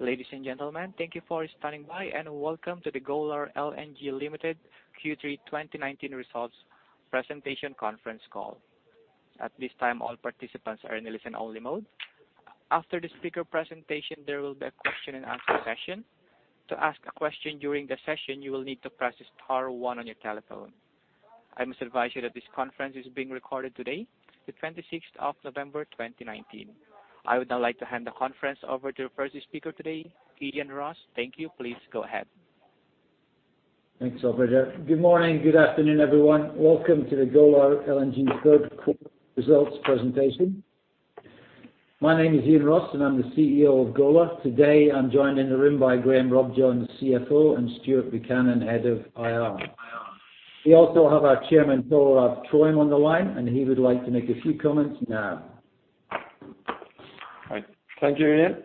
Ladies and gentlemen, thank you for standing by and welcome to the Golar LNG Limited Q3 2019 Results Presentation Conference Call. At this time, all participants are in listen-only mode. After the speaker presentation, there will be a question and answer session. To ask a question during the session, you will need to press star one on your telephone. I must advise you that this conference is being recorded today, the 26th of November, 2019. I would now like to hand the conference over to the first speaker today, Iain Ross. Thank you. Please go ahead. Thanks, operator. Good morning. Good afternoon, everyone. Welcome to the Golar LNG Third Quarter Results Presentation. My name is Iain Ross, and I'm the CEO of Golar. Today, I'm joined in the room by Graham Robjohns, the CFO, and Stuart Buchanan, Head of IR. We also have our Chairman, Tor Olav Trøim, on the line, and he would like to make a few comments now. Hi. Thank you, Iain.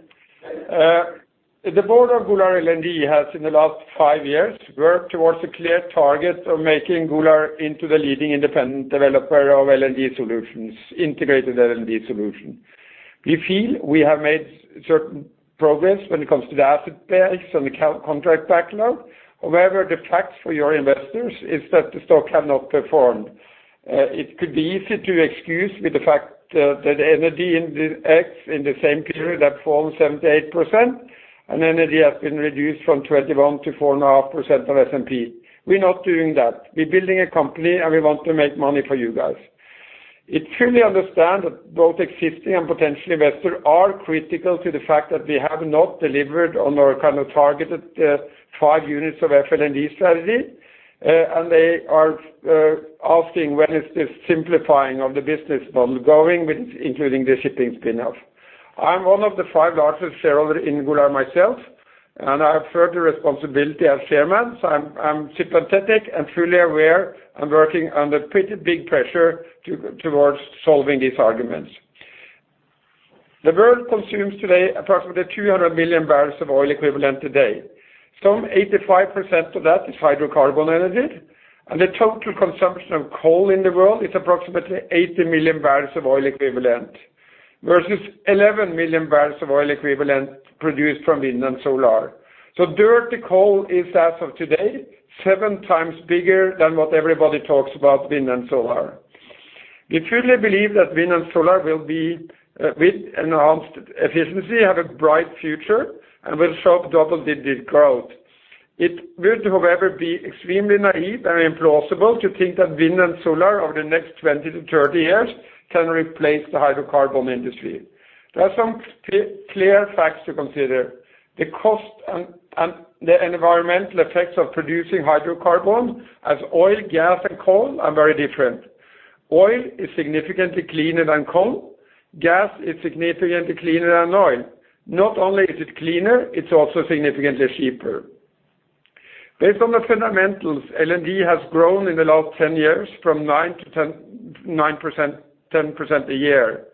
The board of Golar LNG has, in the last five years, worked towards a clear target of making Golar into the leading independent developer of integrated LNG solutions. We feel we have made certain progress when it comes to the asset base and the contract backlog. The fact for your investors is that the stock has not performed. It could be easy to excuse with the fact that the energy index in the same period performed 78%, and energy has been reduced from 21% to 4.5% of SMP. We're not doing that. We're building a company, and we want to make money for you guys. I truly understand that both existing and potential investors are critical to the fact that we have not delivered on our targeted five units of FLNG strategy, they are asking when is this simplifying of the business model going with including the shipping spin-off. I'm one of the five largest shareholders in Golar myself, I have further responsibility as chairman. I'm sympathetic and truly aware and working under pretty big pressure towards solving these arguments. The world consumes today approximately 200 million barrels of oil equivalent. Some 85% of that is hydrocarbon energy, the total consumption of coal in the world is approximately 80 million barrels of oil equivalent versus 11 million barrels of oil equivalent produced from wind and solar. Dirty coal is, as of today, 7x bigger than what everybody talks about wind and solar. We truly believe that wind and solar will be, with enhanced efficiency, have a bright future and will show double-digit growth. It would, however, be extremely naive and implausible to think that wind and solar over the next 20-30 years can replace the hydrocarbon industry. There are some clear facts to consider. The cost and the environmental effects of producing hydrocarbons as oil, gas, and coal are very different. Oil is significantly cleaner than coal. Gas is significantly cleaner than oil. Not only is it cleaner, it's also significantly cheaper. Based on the fundamentals, LNG has grown in the last 10 years from 9%-10% a year.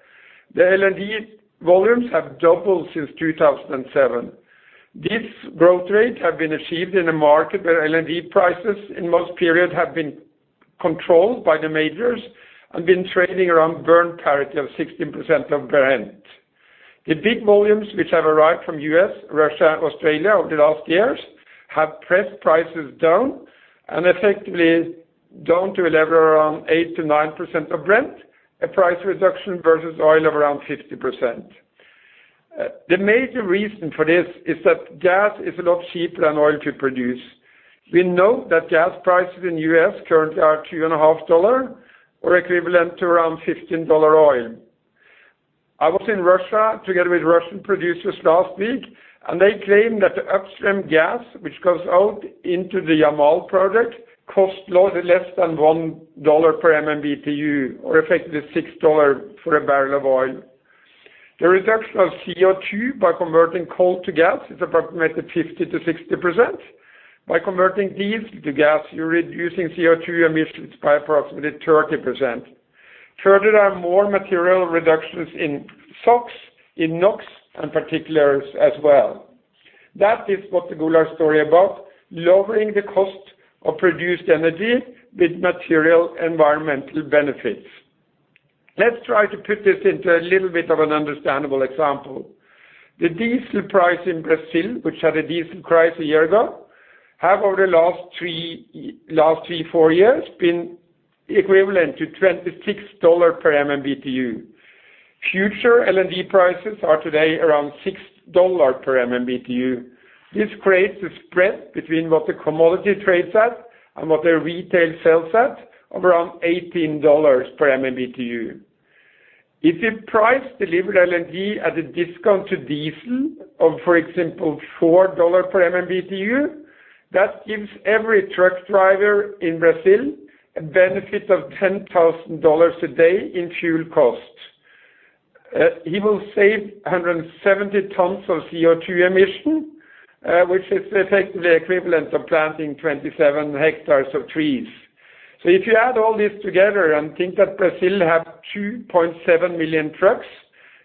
The LNG volumes have doubled since 2007. These growth rates have been achieved in a market where LNG prices in most periods have been controlled by the majors and been trading around burn parity of 16% of Brent. The big volumes which have arrived from U.S., Russia, and Australia over the last years have pressed prices down and effectively down to a level around 8%-9% of Brent, a price reduction versus oil of around 50%. The major reason for this is that gas is a lot cheaper than oil to produce. We know that gas prices in U.S. currently are $2.5 or equivalent to around $15 oil. I was in Russia together with Russian producers last week and they claim that the upstream gas, which goes out into the Yamal project, costs a lot less than $1 per MMBtu, or effectively $6 for a barrel of oil. The reduction of CO2 by converting coal to gas is approximately 50%-60%. By converting diesel to gas, you're reducing CO2 emissions by approximately 30%. Further, there are more material reductions in SOx, in NOx, and particulars as well. That is what the Golar story is about, lowering the cost of produced energy with material environmental benefits. Let's try to put this into a little bit of an understandable example. The diesel price in Brazil, which had a diesel crisis a year ago, have over the last three, four years been equivalent to $26 per MMBtu. Future LNG prices are today around $6 per MMBtu. This creates a spread between what the commodity trades at and what the retail sells at of around $18 per MMBtu. If you price delivered LNG at a discount to diesel of, for example, $4 per MMBtu, that gives every truck driver in Brazil a benefit of $10,000 a day in fuel cost. He will save 170 tons of CO2 emission, which is effectively equivalent of planting 27 hectares of trees. If you add all this together and think that Brazil have 2.7 million trucks,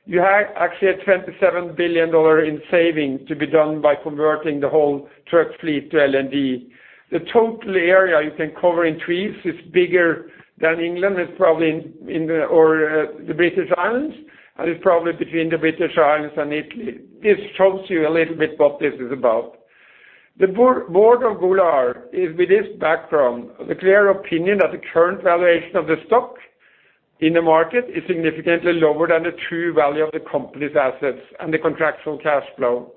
you have actually a $27 billion in saving to be done by converting the whole truck fleet to LNG. The total area you can cover in trees is bigger than England, it's probably the British Islands, and it's probably between the British Islands and Italy. This shows you a little bit what this is about. The Board of Golar is, with this background, the clear opinion that the current valuation of the stock in the market is significantly lower than the true value of the company's assets and the contractual cash flow.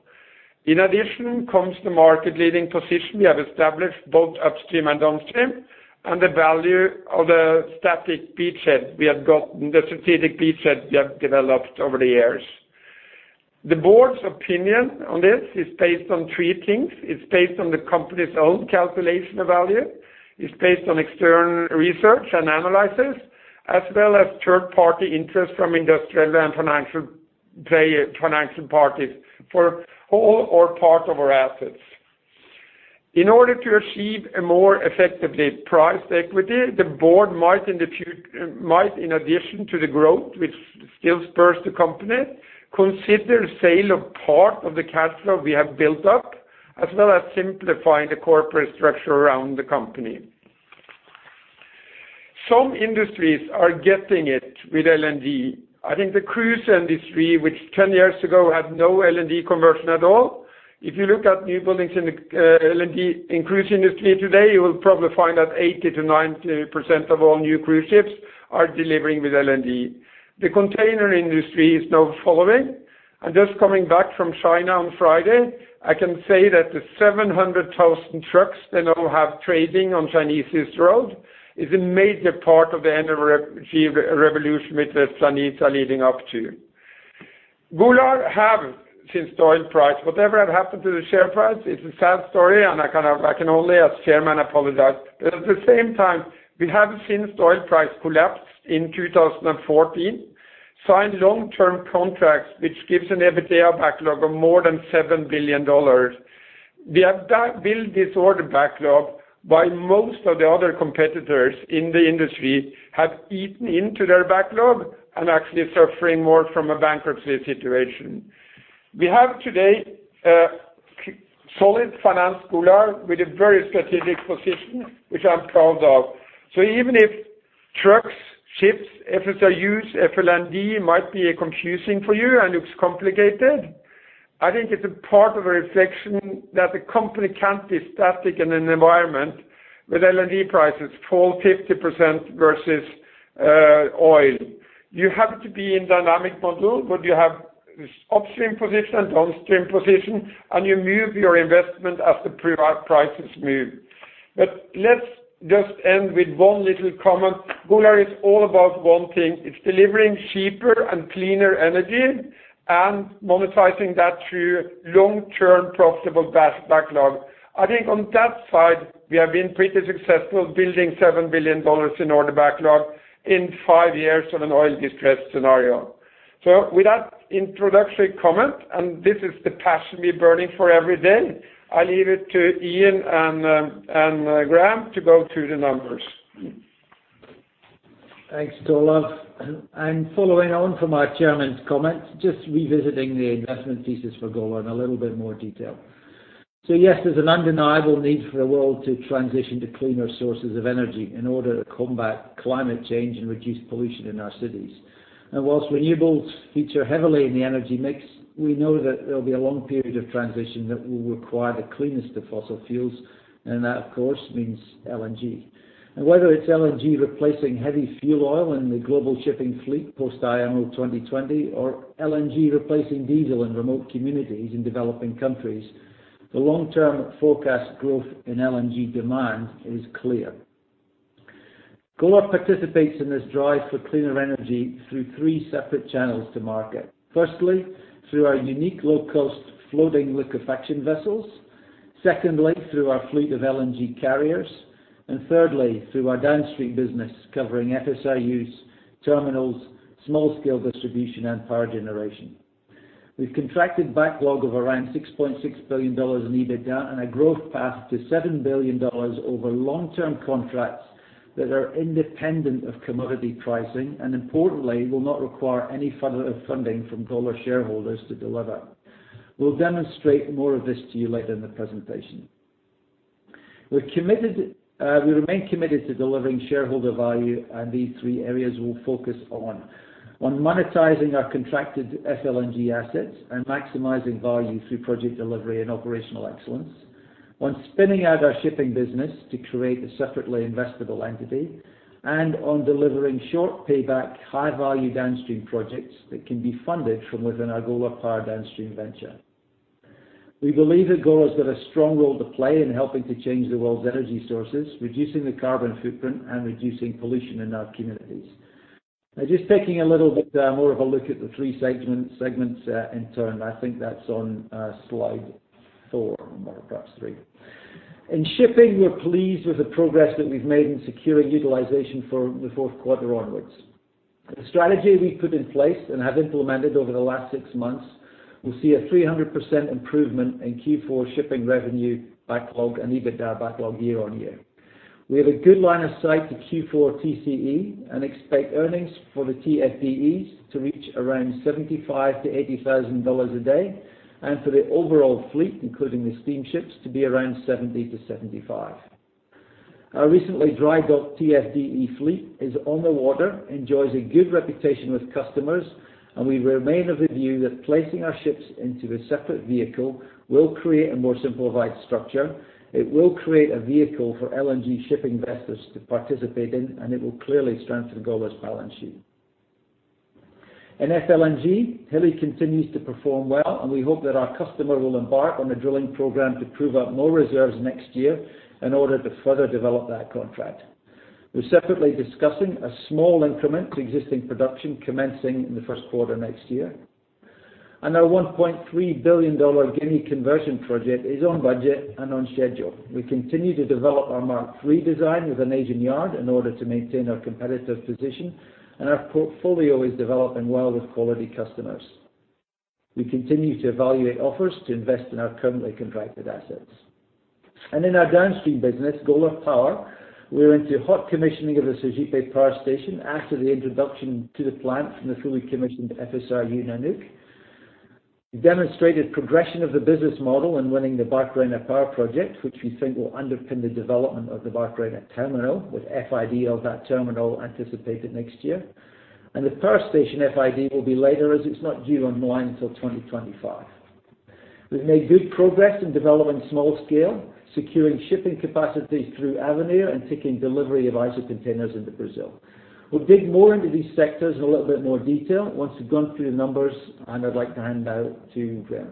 In addition comes the market-leading position we have established both upstream and downstream, and the value of the strategic beachhead we have developed over the years. The board's opinion on this is based on three things. It's based on the company's own calculation of value, it's based on external research and analysis, as well as third-party interest from industrial and financial parties for whole or part of our assets. In order to achieve a more effectively priced equity, the board might, in addition to the growth which still spurs the company, consider sale of part of the cash flow we have built up, as well as simplifying the corporate structure around the company. Some industries are getting it with LNG. I think the cruise industry, which 10 years ago had no LNG conversion at all, if you look at new buildings in the LNG cruise industry today, you will probably find that 80%-90% of all new cruise ships are delivering with LNG. The container industry is now following. Just coming back from China on Friday, I can say that the 700,000 trucks they now have trading on Chinese east road is a major part of the energy revolution which the Chinese are leading up to. Golar have, since oil price, whatever has happened to the share price, it's a sad story and I can only, as Chairman, apologize. At the same time, we have, since oil price collapsed in 2014, signed long-term contracts which gives an EBITDA backlog of more than $7 billion. We have built this order backlog while most of the other competitors in the industry have eaten into their backlog and actually suffering more from a bankruptcy situation. We have today a solid finance Golar with a very strategic position, which I'm proud of. Even if trucks, ships, FSRUs, FLNG might be confusing for you and looks complicated, I think it's a part of a reflection that the company can't be static in an environment where LNG prices fall 50% versus oil. You have to be in dynamic model where you have upstream position, downstream position, and you move your investment as the prices move. Let's just end with one little comment. Golar is all about one thing. It's delivering cheaper and cleaner energy and monetizing that through long-term profitable backlog. I think on that side, we have been pretty successful building $7 billion in order backlog in five years on an oil distressed scenario. With that introductory comment, and this is the passion we burning for every day, I leave it to Iain and Graham to go through the numbers. Thanks, Tor Olav. Following on from our chairman's comments, just revisiting the investment thesis for Golar in a little bit more detail. Yes, there's an undeniable need for the world to transition to cleaner sources of energy in order to combat climate change and reduce pollution in our cities. While renewables feature heavily in the energy mix, we know that there'll be a long period of transition that will require the cleanest of fossil fuels, and that, of course, means LNG. Whether it's LNG replacing heavy fuel oil in the global shipping fleet post IMO 2020 or LNG replacing diesel in remote communities in developing countries, the long-term forecast growth in LNG demand is clear. Golar participates in this drive for cleaner energy through three separate channels to market. Firstly, through our unique low-cost floating liquefaction vessels. Secondly, through our fleet of LNG carriers. Thirdly, through our downstream business covering FSRUs, terminals, small-scale distribution and power generation. We've contracted backlog of around $6.6 billion in EBITDA and a growth path to $7 billion over long-term contracts that are independent of commodity pricing and importantly, will not require any further funding from Golar shareholders to deliver. We'll demonstrate more of this to you later in the presentation. We remain committed to delivering shareholder value, these three areas will focus on monetizing our contracted FLNG assets and maximizing value through project delivery and operational excellence, on spinning out our shipping business to create a separately investable entity, and on delivering short payback, high-value downstream projects that can be funded from within our Golar Power Downstream venture. We believe that Golar's got a strong role to play in helping to change the world's energy sources, reducing the carbon footprint and reducing pollution in our communities. Now just taking a little bit more of a look at the three segments in turn. I think that's on slide four, or perhaps three. In shipping, we are pleased with the progress that we've made in securing utilization for the fourth quarter onwards. The strategy we put in place and have implemented over the last six months will see a 300% improvement in Q4 shipping revenue backlog and EBITDA backlog year-on-year. We have a good line of sight to Q4 TCE and expect earnings for the TFDEs to reach around $75,000-$80,000 a day, and for the overall fleet, including the steamships, to be around $70,000-$75,000. Our recently dry docked TFDE fleet is on the water, enjoys a good reputation with customers, and we remain of the view that placing our ships into a separate vehicle will create a more simplified structure. It will create a vehicle for LNG shipping investors to participate in, and it will clearly strengthen Golar's balance sheet. In FLNG, Hilli continues to perform well, and we hope that our customer will embark on a drilling program to prove up more reserves next year in order to further develop that contract. We're separately discussing a small increment to existing production commencing in the first quarter next year. Our $1.3 billion Gimi conversion project is on budget and on schedule. We continue to develop our Mark III design with an Asian yard in order to maintain our competitive position, and our portfolio is developing well with quality customers. We continue to evaluate offers to invest in our currently contracted assets. In our downstream business, Golar Power, we're into hot commissioning of the Sergipe Power Station after the introduction to the plant from the fully commissioned FSRU, Nanook. We demonstrated progression of the business model in winning the Barcarena Power project, which we think will underpin the development of the Barcarena terminal, with FID of that terminal anticipated next year. The power station FID will be later as it's not due online until 2025. We've made good progress in developing small scale, securing shipping capacity through Avenir, and taking delivery of ISO containers into Brazil. We'll dig more into these sectors in a little bit more detail once we've gone through the numbers, and I'd like to hand now to Graham.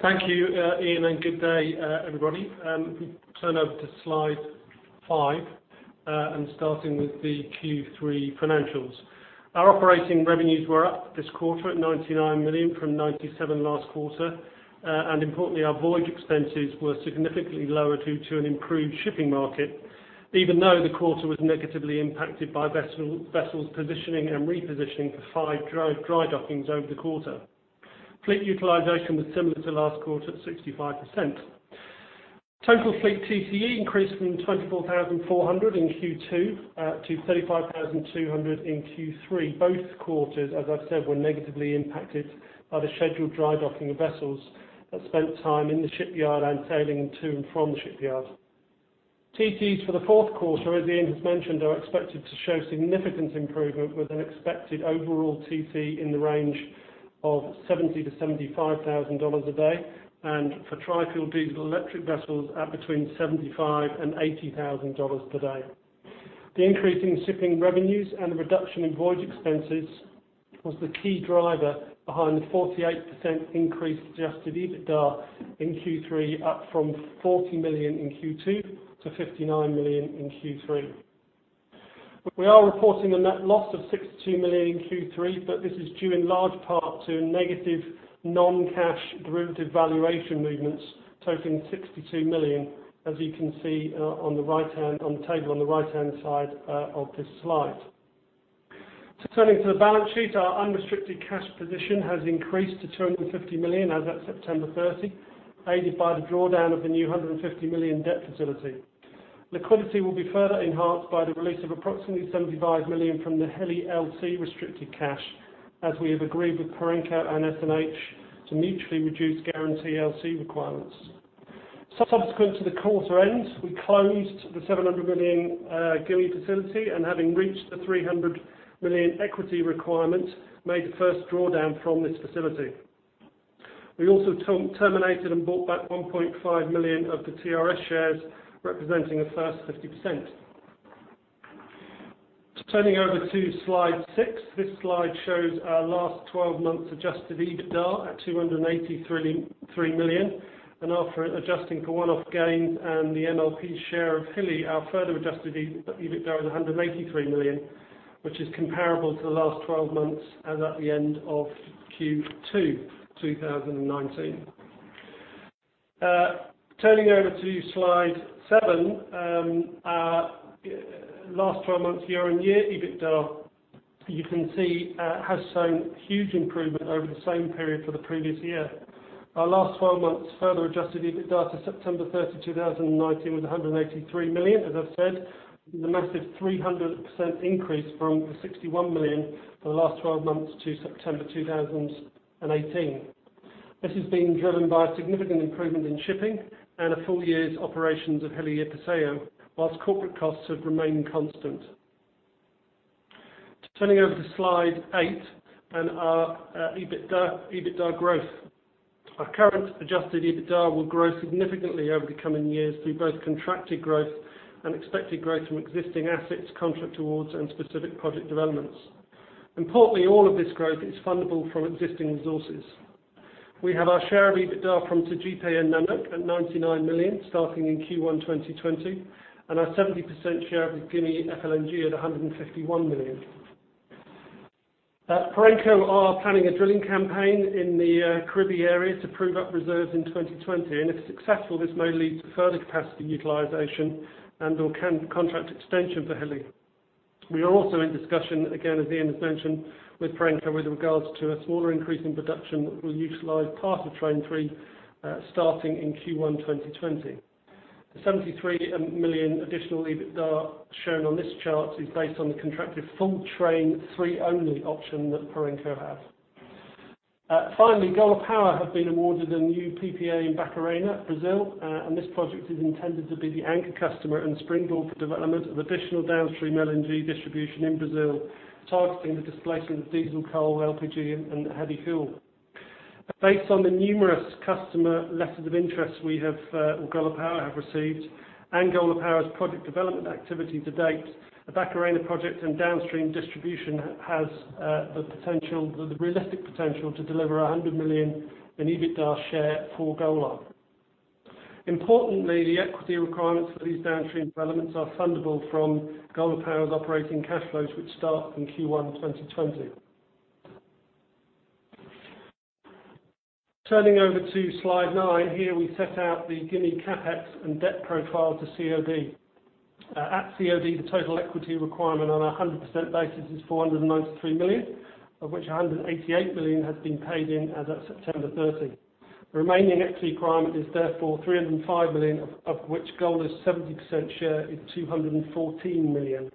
Thank you, Iain, and good day, everybody. If we turn over to slide five, starting with the Q3 financials. Our operating revenues were up this quarter at $99 million from $97 million last quarter. Importantly, our voyage expenses were significantly lower due to an improved shipping market, even though the quarter was negatively impacted by vessels positioning and repositioning for five dry dockings over the quarter. Fleet utilization was similar to last quarter at 65%. Total fleet TCE increased from $24,400 in Q2 to $35,200 in Q3. Both quarters, as I've said, were negatively impacted by the scheduled dry docking of vessels that spent time in the shipyard and sailing to and from the shipyard. TCEs for the fourth quarter, as Iain has mentioned, are expected to show significant improvement with an expected overall TCE in the range of $70,000 to $75,000 a day, and for tri-fuel diesel electric vessels at between $75,000 and $80,000 per day. The increase in shipping revenues and the reduction in voyage expenses was the key driver behind the 48% increase in adjusted EBITDA in Q3, up from $40 million in Q2 to $59 million in Q3. We are reporting a net loss of $62 million in Q3, but this is due in large part to negative non-cash derivative valuation movements totaling $62 million, as you can see on the table on the right-hand side of this slide. Turning to the balance sheet, our unrestricted cash position has increased to $250 million as at September 30, aided by the drawdown of the new $150 million debt facility. Liquidity will be further enhanced by the release of approximately $75 million from the Hilli LC restricted cash, as we have agreed with Perenco and SNH to mutually reduce guarantee LC requirements. Subsequent to the quarter end, we closed the $700 million Gimi facility, and having reached the $300 million equity requirement, made the first drawdown from this facility. We also terminated and bought back 1.5 million of the TRS shares, representing the first 50%. Turning over to slide six. This slide shows our last 12 months adjusted EBITDA at $283 million, and after adjusting for one-off gains and the MLP share of Hilli, our further adjusted EBITDA was $183 million, which is comparable to the last 12 months as at the end of Q2 2019. Turning over to slide seven, our last 12 months year-on-year EBITDA, you can see, has shown huge improvement over the same period for the previous year. Our last 12 months further adjusted EBITDA to September 30, 2019 was $183 million, as I've said. The massive 300% increase from the $61 million for the last 12 months to September 2018. This has been driven by a significant improvement in shipping and a full year's operations of Hilli Episeyo, whilst corporate costs have remained constant. Turning over to slide eight and our EBITDA growth. Our current adjusted EBITDA will grow significantly over the coming years through both contracted growth and expected growth from existing assets, contract awards, and specific project developments. Importantly, all of this growth is fundable from existing resources. We have our share of EBITDA from Sergipe and Nanook at $99 million, starting in Q1 2020, and our 70% share with FLNG Gimi at $151 million. Perenco are planning a drilling campaign in the Cameroon area to prove up reserves in 2020, and if successful, this may lead to further capacity utilization and/or contract extension for Hilli. We are also in discussion, again, as Iain has mentioned, with Perenco with regards to a smaller increase in production that will utilize part of Train 3, starting in Q1 2020. The $73 million additional EBITDA shown on this chart is based on the contracted full Train 3 only option that Perenco has. Golar Power have been awarded a new PPA in Barcarena, Brazil. This project is intended to be the anchor customer and springboard for development of additional downstream LNG distribution in Brazil, targeting the displacing of diesel, coal, LPG, and heavy fuel. Based on the numerous customer letters of interest Golar Power have received and Golar Power's project development activity to date, the Barcarena project and downstream distribution has the realistic potential to deliver $100 million in EBITDA share for Golar. Importantly, the equity requirements for these downstream developments are fundable from Golar Power's operating cash flows, which start from Q1 2020. Turning over to slide nine. Here we set out the Gimi CapEx and debt profile to COD. At COD, the total equity requirement on a 100% basis is $493 million, of which $188 million has been paid in as at September 30. The remaining equity requirement is therefore $305 million, of which Golar's 70% share is $214 million.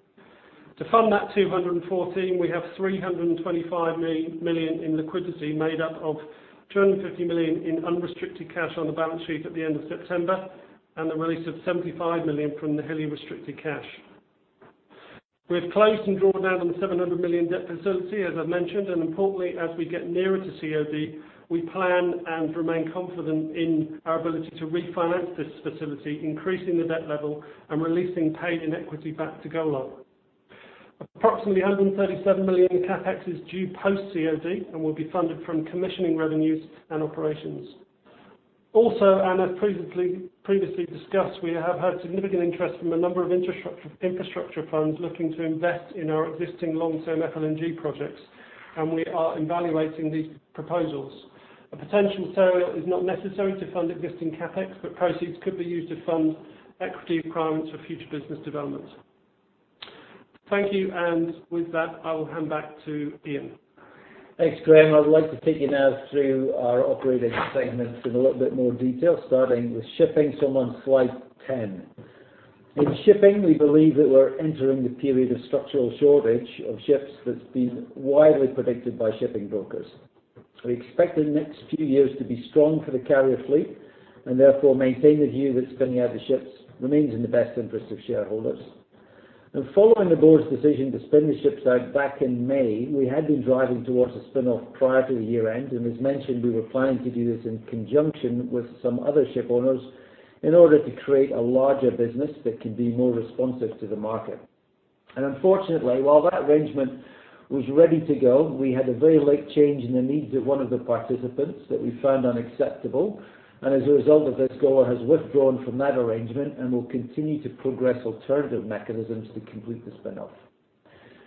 To fund that $214 million, we have $325 million in liquidity, made up of $250 million in unrestricted cash on the balance sheet at the end of September, and the release of $75 million from the Hilli restricted cash. We have closed and drawn down on the $700 million debt facility, as I mentioned, and importantly, as we get nearer to COD, we plan and remain confident in our ability to refinance this facility, increasing the debt level and releasing paid-in equity back to Golar. Approximately $137 million in CapEx is due post-COD and will be funded from commissioning revenues and operations. Also, and as previously discussed, we have had significant interest from a number of infrastructure funds looking to invest in our existing long-term FLNG projects, and we are evaluating these proposals. A potential sale is not necessary to fund existing CapEx, but proceeds could be used to fund equity requirements for future business development. Thank you. With that, I will hand back to Iain. Thanks, Graham. I would like to take you now through our operating segments in a little bit more detail, starting with shipping. We're on slide 10. In shipping, we believe that we are entering the period of structural shortage of ships that's been widely predicted by shipping brokers. We expect the next few years to be strong for the carrier fleet and therefore maintain the view that spinning out the ships remains in the best interest of shareholders. Following the board's decision to spin the ships out back in May, we had been driving towards a spin-off prior to the year-end, and as mentioned, we were planning to do this in conjunction with some other ship owners in order to create a larger business that can be more responsive to the market. Unfortunately, while that arrangement was ready to go, we had a very late change in the needs of one of the participants that we found unacceptable, and as a result of this, Golar has withdrawn from that arrangement and will continue to progress alternative mechanisms to complete the spin-off.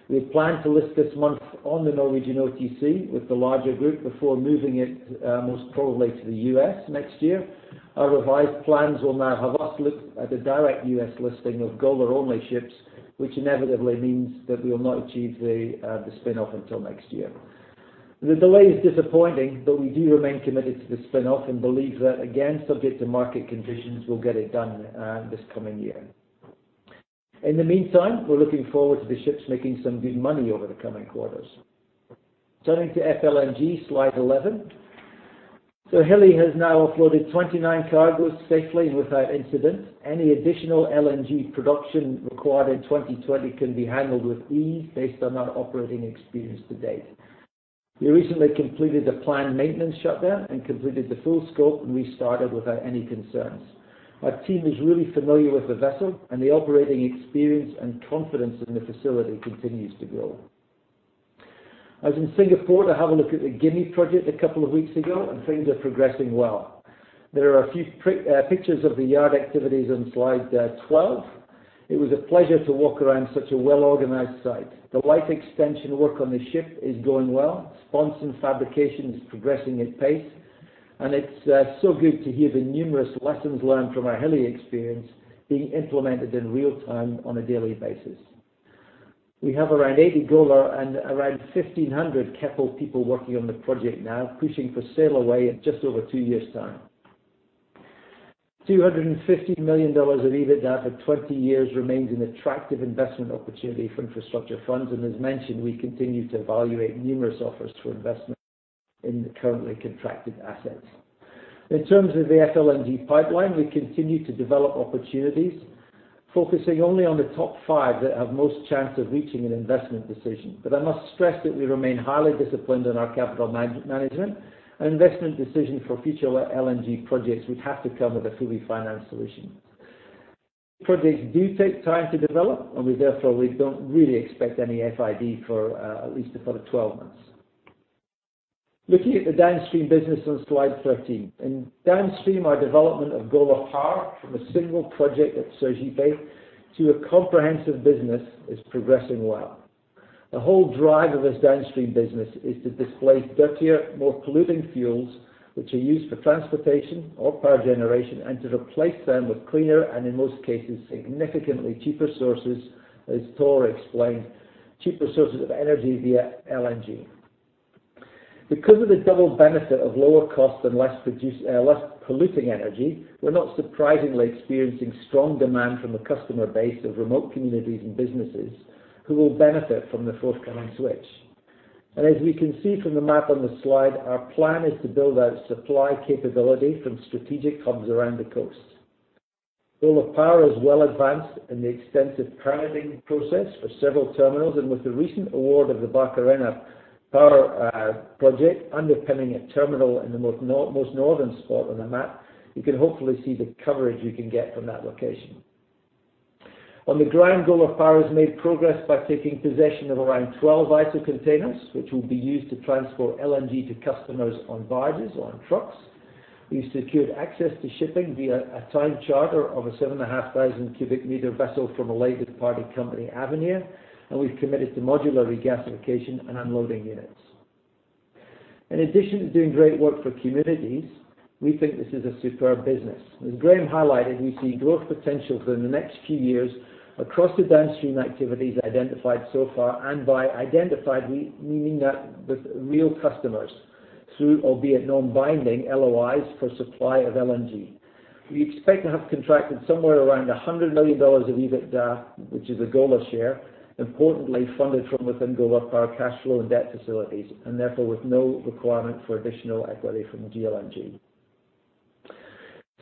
We had planned to list this month on the Norwegian OTC with the larger group before moving it, most probably to the U.S. next year. Our revised plans will now have us look at a direct U.S. listing of Golar-only ships, which inevitably means that we will not achieve the spin-off until next year. The delay is disappointing, we do remain committed to the spin-off and believe that, again, subject to market conditions, we'll get it done this coming year. In the meantime, we're looking forward to the ships making some good money over the coming quarters. Turning to FLNG, slide 11. Hilli has now offloaded 29 cargoes safely and without incident. Any additional LNG production required in 2020 can be handled with ease based on our operating experience to date. We recently completed a planned maintenance shutdown and completed the full scope and restarted without any concerns. Our team is really familiar with the vessel and the operating experience and confidence in the facility continues to grow. I was in Singapore to have a look at the Gimi project a couple of weeks ago, things are progressing well. There are a few pictures of the yard activities on slide 12. It was a pleasure to walk around such a well-organized site. The life extension work on the ship is going well. Sponsons fabrication is progressing at pace. It's so good to hear the numerous lessons learned from our Hilli experience being implemented in real time on a daily basis. We have around 80 Golar and around 1,500 Keppel people working on the project now, pushing for sail away in just over two years' time. $250 million of EBITDA for 20 years remains an attractive investment opportunity for infrastructure funds. As mentioned, we continue to evaluate numerous offers for investment in the currently contracted assets. In terms of the FLNG pipeline, we continue to develop opportunities, focusing only on the top 5 that have most chance of reaching an investment decision. I must stress that we remain highly disciplined in our capital management. An investment decision for future LNG projects would have to come with a fully financed solution. Projects do take time to develop, and we therefore don't really expect any FID for at least another 12 months. Looking at the downstream business on slide 13. In downstream, our development of Golar Power from a single project at Sergipe to a comprehensive business is progressing well. The whole drive of this downstream business is to displace dirtier, more polluting fuels, which are used for transportation or power generation, and to replace them with cleaner and, in most cases, significantly cheaper sources, as Tor explained, cheaper sources of energy via LNG. Because of the double benefit of lower cost and less polluting energy, we're not surprisingly experiencing strong demand from a customer base of remote communities and businesses who will benefit from the forthcoming switch. As we can see from the map on the slide, our plan is to build out supply capability from strategic hubs around the coast. Golar Power is well advanced in the extensive permitting process for several terminals. With the recent award of the Barcarena Power project underpinning a terminal in the most northern spot on the map, you can hopefully see the coverage we can get from that location. On the ground, Golar Power has made progress by taking possession of around 12 ISO containers, which will be used to transport LNG to customers on barges or on trucks. We've secured access to shipping via a time charter of a 7,500 cubic meter vessel from a related party company, Avenir. We've committed to modular regasification and unloading units. In addition to doing great work for communities, we think this is a superb business. As Graham highlighted, we see growth potential for the next few years across the downstream activities identified so far. By identified, we mean that with real customers through, albeit non-binding, LOIs for supply of LNG. We expect to have contracted somewhere around $100 million of EBITDA, which is a Golar share, importantly funded from within Golar Power cash flow and debt facilities, and therefore with no requirement for additional equity from GLNG.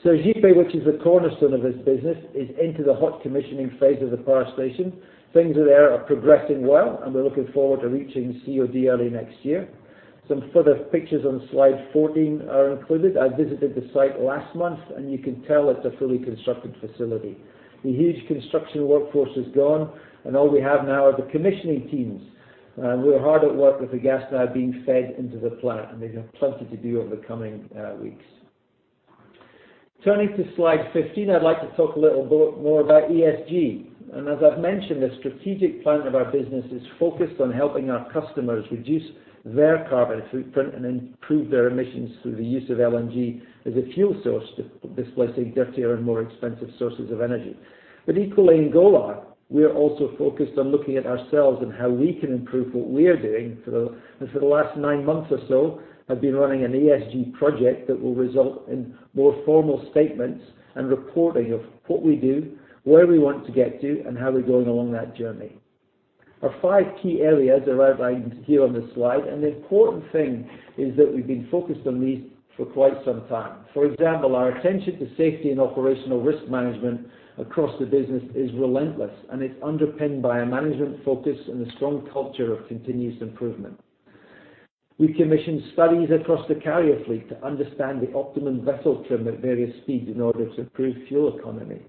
Sergipe, which is the cornerstone of this business, is into the hot commissioning phase of the power station. Things there are progressing well, and we're looking forward to reaching COD early next year. Some further pictures on slide 14 are included. I visited the site last month, and you can tell it's a fully constructed facility. The huge construction workforce is gone, and all we have now are the commissioning teams. We're hard at work with the gas now being fed into the plant, and they have plenty to do over the coming weeks. Turning to slide 15, I'd like to talk a little bit more about ESG. As I've mentioned, the strategic plan of our business is focused on helping our customers reduce their carbon footprint and improve their emissions through the use of LNG as a fuel source to displacing dirtier and more expensive sources of energy. Equally in Golar, we are also focused on looking at ourselves and how we can improve what we are doing. For the last nine months or so, I've been running an ESG project that will result in more formal statements and reporting of what we do, where we want to get to, and how we're going along that journey. Our five key areas are outlined here on this slide, and the important thing is that we've been focused on these for quite some time. For example, our attention to safety and operational risk management across the business is relentless, and it's underpinned by a management focus and a strong culture of continuous improvement. We commissioned studies across the carrier fleet to understand the optimum vessel trim at various speeds in order to improve fuel economy.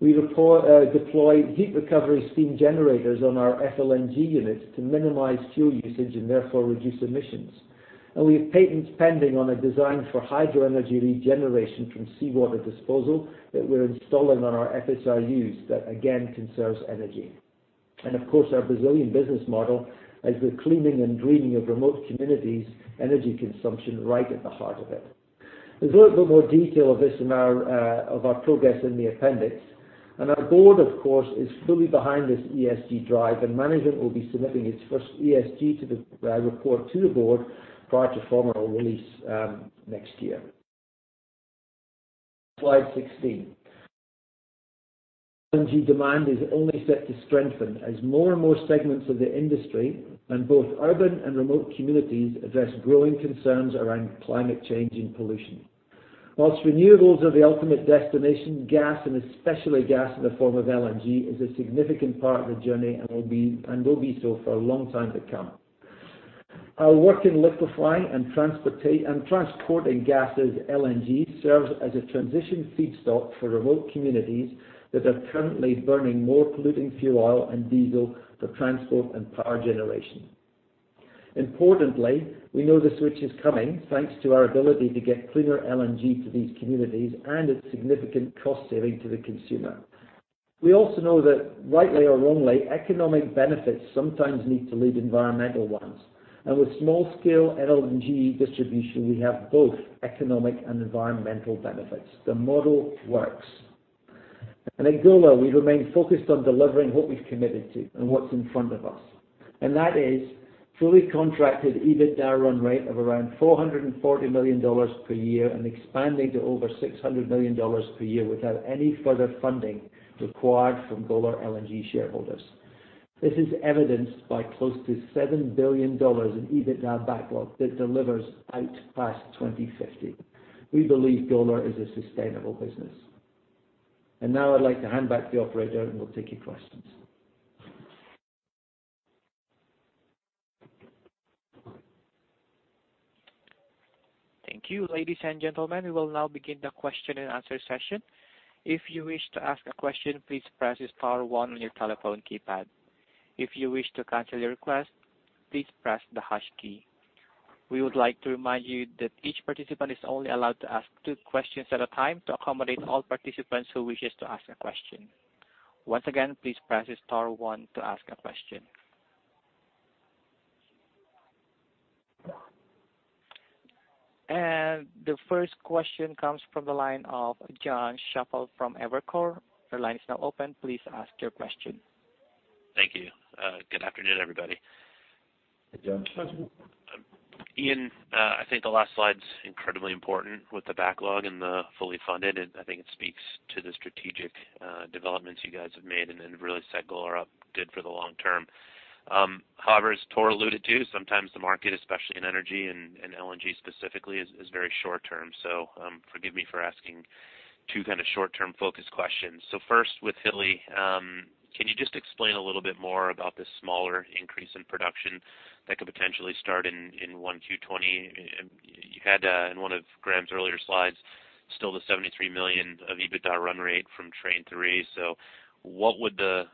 We deploy heat recovery steam generators on our FLNG units to minimize fuel usage and therefore reduce emissions. We have patents pending on a design for hydro energy regeneration from seawater disposal that we're installing on our FSRUs that again conserves energy. Of course, our Brazilian business model has the cleaning and greening of remote communities' energy consumption right at the heart of it. There's a little bit more detail of our progress in the appendix. Our board, of course, is fully behind this ESG drive, and management will be submitting its first ESG report to the board prior to formal release next year. Slide 16. LNG demand is only set to strengthen as more and more segments of the industry and both urban and remote communities address growing concerns around climate change and pollution. Whilst renewables are the ultimate destination, gas, and especially gas in the form of LNG, is a significant part of the journey and will be so for a long time to come. Our work in liquefying and transporting gas as LNG serves as a transition feedstock for remote communities that are currently burning more polluting fuel oil and diesel for transport and power generation. Importantly, we know the switch is coming thanks to our ability to get cleaner LNG to these communities and its significant cost saving to the consumer. We also know that, rightly or wrongly, economic benefits sometimes need to lead environmental ones, and with small-scale LNG distribution, we have both economic and environmental benefits. The model works. At Golar, we remain focused on delivering what we've committed to and what's in front of us. That is fully contracted EBITDA run rate of around $440 million per year and expanding to over $600 million per year without any further funding required from Golar LNG shareholders. This is evidenced by close to $7 billion in EBITDA backlog that delivers out past 2050. We believe Golar is a sustainable business. Now I'd like to hand back to the operator, and we'll take your questions. Thank you. Ladies and gentlemen, we will now begin the question and answer session. If you wish to ask a question, please press star one on your telephone keypad. If you wish to cancel your request, please press the hash key. We would like to remind you that each participant is only allowed to ask two questions at a time to accommodate all participants who wish to ask a question. Once again, please press star one to ask a question. The first question comes from the line of Jon Chappell from Evercore. Your line is now open. Please ask your question. Thank you. Good afternoon, everybody. Iain, I think the last slide's incredibly important with the backlog and the fully funded. I think it speaks to the strategic developments you guys have made and really set Golar up good for the long term. As Tor alluded to, sometimes the market, especially in energy and LNG specifically, is very short-term. Forgive me for asking two kind of short-term focused questions. First, with Hilli, can you just explain a little bit more about this smaller increase in production that could potentially start in 1Q 2020? You had in one of Graham's earlier slides, still the $73 million of EBITDA run rate from Train 3. What would the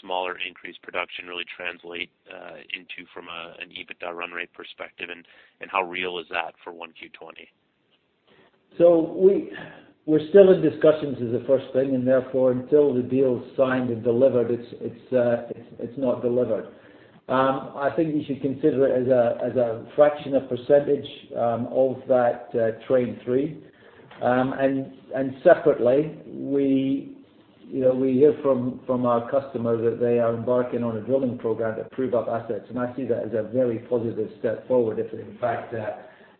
"smaller increase production" really translate into from an EBITDA run rate perspective, and how real is that for 1Q 2020? We're still in discussions is the first thing, and therefore, until the deal is signed and delivered, it's not delivered. I think you should consider it as a fraction, a percentage of that Train 3. Separately, we hear from our customer that they are embarking on a drilling program to prove up assets. I see that as a very positive step forward. If they, in fact,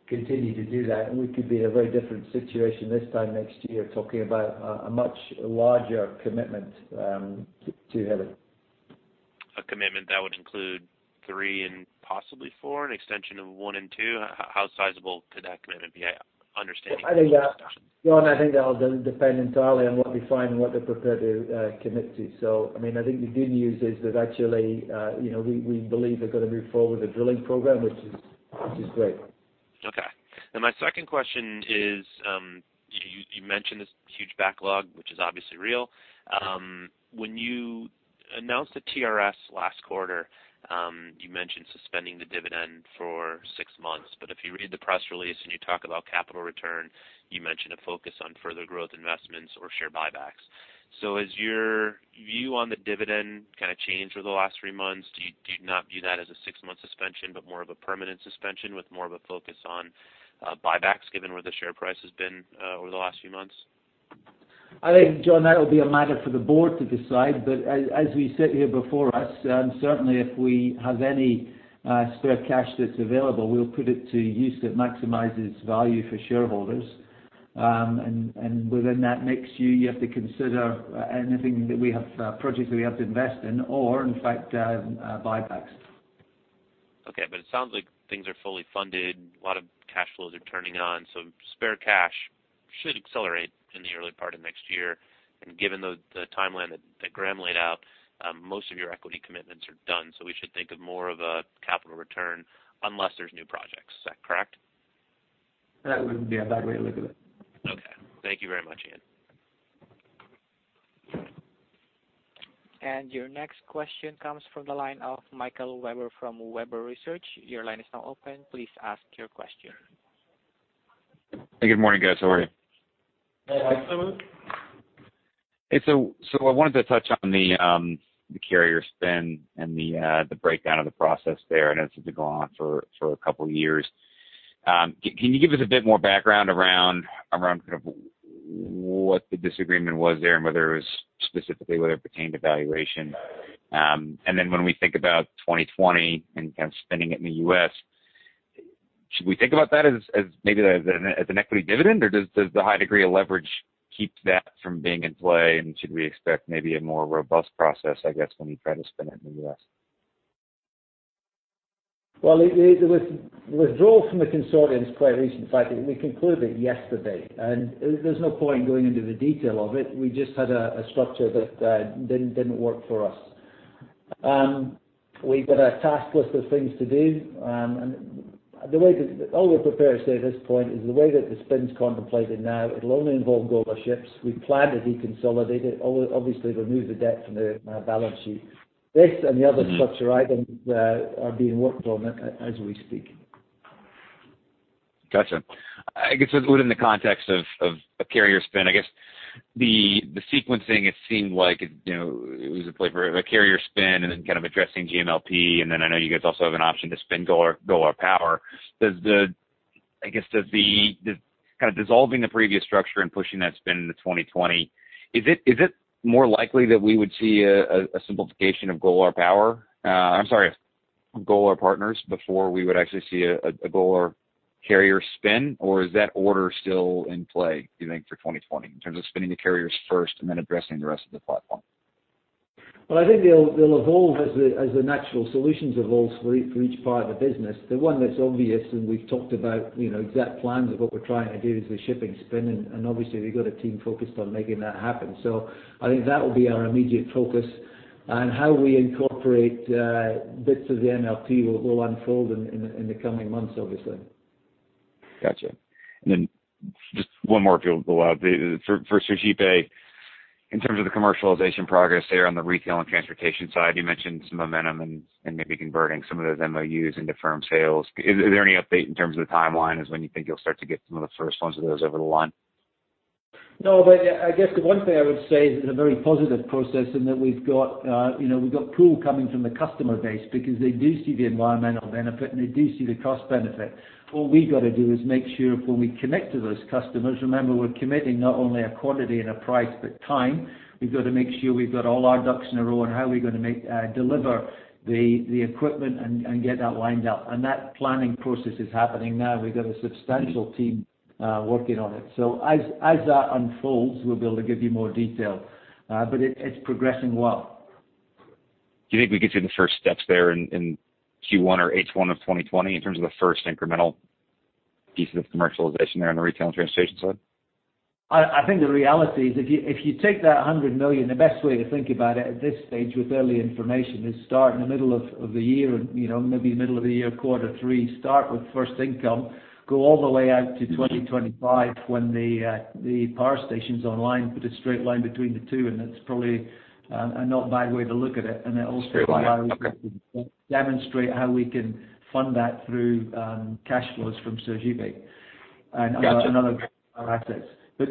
continue to do that, we could be in a very different situation this time next year, talking about a much larger commitment to Hilli. A commitment that would include three and possibly four, an extension of one and two. How sizable could that commitment be? I understand. Jon, I think that'll depend entirely on what we find and what they're prepared to commit to. I think the good news is that actually we believe they're going to move forward with the drilling program, which is great. Okay. My second question is, you mentioned this huge backlog, which is obviously real. When you announced the TRS last quarter, you mentioned suspending the dividend for six months. If you read the press release and you talk about capital return, you mention a focus on further growth investments or share buybacks. Has your view on the dividend kind of changed over the last three months? Do you not view that as a 6-month suspension, but more of a permanent suspension with more of a focus on buybacks given where the share price has been over the last few months? I think, Jon, that'll be a matter for the board to decide. As we sit here before us, certainly if we have any spare cash that's available, we'll put it to use that maximizes value for shareholders. Within that mix, you have to consider anything that we have projects that we have to invest in or in fact, buybacks. Okay. It sounds like things are fully funded. A lot of cash flows are turning on, so spare cash should accelerate in the early part of next year. Given the timeline that Graham laid out, most of your equity commitments are done. We should think of more of a capital return unless there are new projects. Is that correct? That wouldn't be a bad way to look at it. Okay. Thank you very much, Iain. Your next question comes from the line of Michael Webber from Webber Research. Your line is now open. Please ask your question. Good morning, guys. How are you? Hi, Michael. Hey. I wanted to touch on the carrier spin and the breakdown of the process there. I know this has been going on for a couple of years. Can you give us a bit more background around what the disagreement was there, and whether it was specifically whether it pertained to valuation? When we think about 2020 and kind of spinning it in the U.S., should we think about that as maybe as an equity dividend, or does the high degree of leverage keep that from being in play, and should we expect maybe a more robust process, I guess, when we try to spin it in the U.S.? Well, the withdrawal from the consortium is quite recent. In fact, we concluded it yesterday. There's no point in going into the detail of it. We just had a structure that didn't work for us. We've got a task list of things to do. All we're prepared to say at this point is the way that the spin's contemplated now, it'll only involve Golar ships. We plan to deconsolidate it, obviously remove the debt from the balance sheet. This and the other structure items are being worked on as we speak. Got you. Within the context of a carrier spin, I guess the sequencing, it seemed like it was a play for a carrier spin and then kind of addressing GMLP, and then I know you guys also have an option to spin Golar Power. Does the kind of dissolving the previous structure and pushing that spin into 2020, is it more likely that we would see a simplification of Golar Power? I'm sorry, Golar Partners, before we would actually see a Golar carrier spin, or is that order still in play, do you think, for 2020 in terms of spinning the carriers first and then addressing the rest of the platform? Well, I think they'll evolve as the natural solutions evolve for each part of the business. The one that's obvious, and we've talked about exact plans of what we're trying to do is the shipping spin, and obviously we've got a team focused on making that happen. I think that will be our immediate focus. How we incorporate bits of the MLP will unfold in the coming months, obviously. Gotcha. Just one more if you'll allow. For Sergipe, in terms of the commercialization progress there on the retail and transportation side, you mentioned some momentum and maybe converting some of those MOUs into firm sales. Is there any update in terms of the timeline as when you think you'll start to get some of the first ones of those over the line? I guess the one thing I would say is it's a very positive process in that we've got pull coming from the customer base because they do see the environmental benefit, and they do see the cost benefit. All we got to do is make sure when we connect to those customers, remember, we're committing not only a quantity and a price, but time. We've got to make sure we've got all our ducks in a row on how we're going to deliver the equipment and get that lined up. That planning process is happening now. We've got a substantial team working on it. As that unfolds, we'll be able to give you more detail. It's progressing well. Do you think we could see the first steps there in Q1 or H1 of 2020 in terms of the first incremental pieces of commercialization there on the retail and transportation side? I think the reality is if you take that $100 million, the best way to think about it at this stage with early information is start in the middle of the year, maybe middle of the year, quarter three, start with first income, go all the way out to 2025 when the power station's online, put a straight line between the two. That's probably a not bad way to look at it. Straight line, okay. Also while we demonstrate how we can fund that through cash flows from Sergipe. Got you. and other assets. As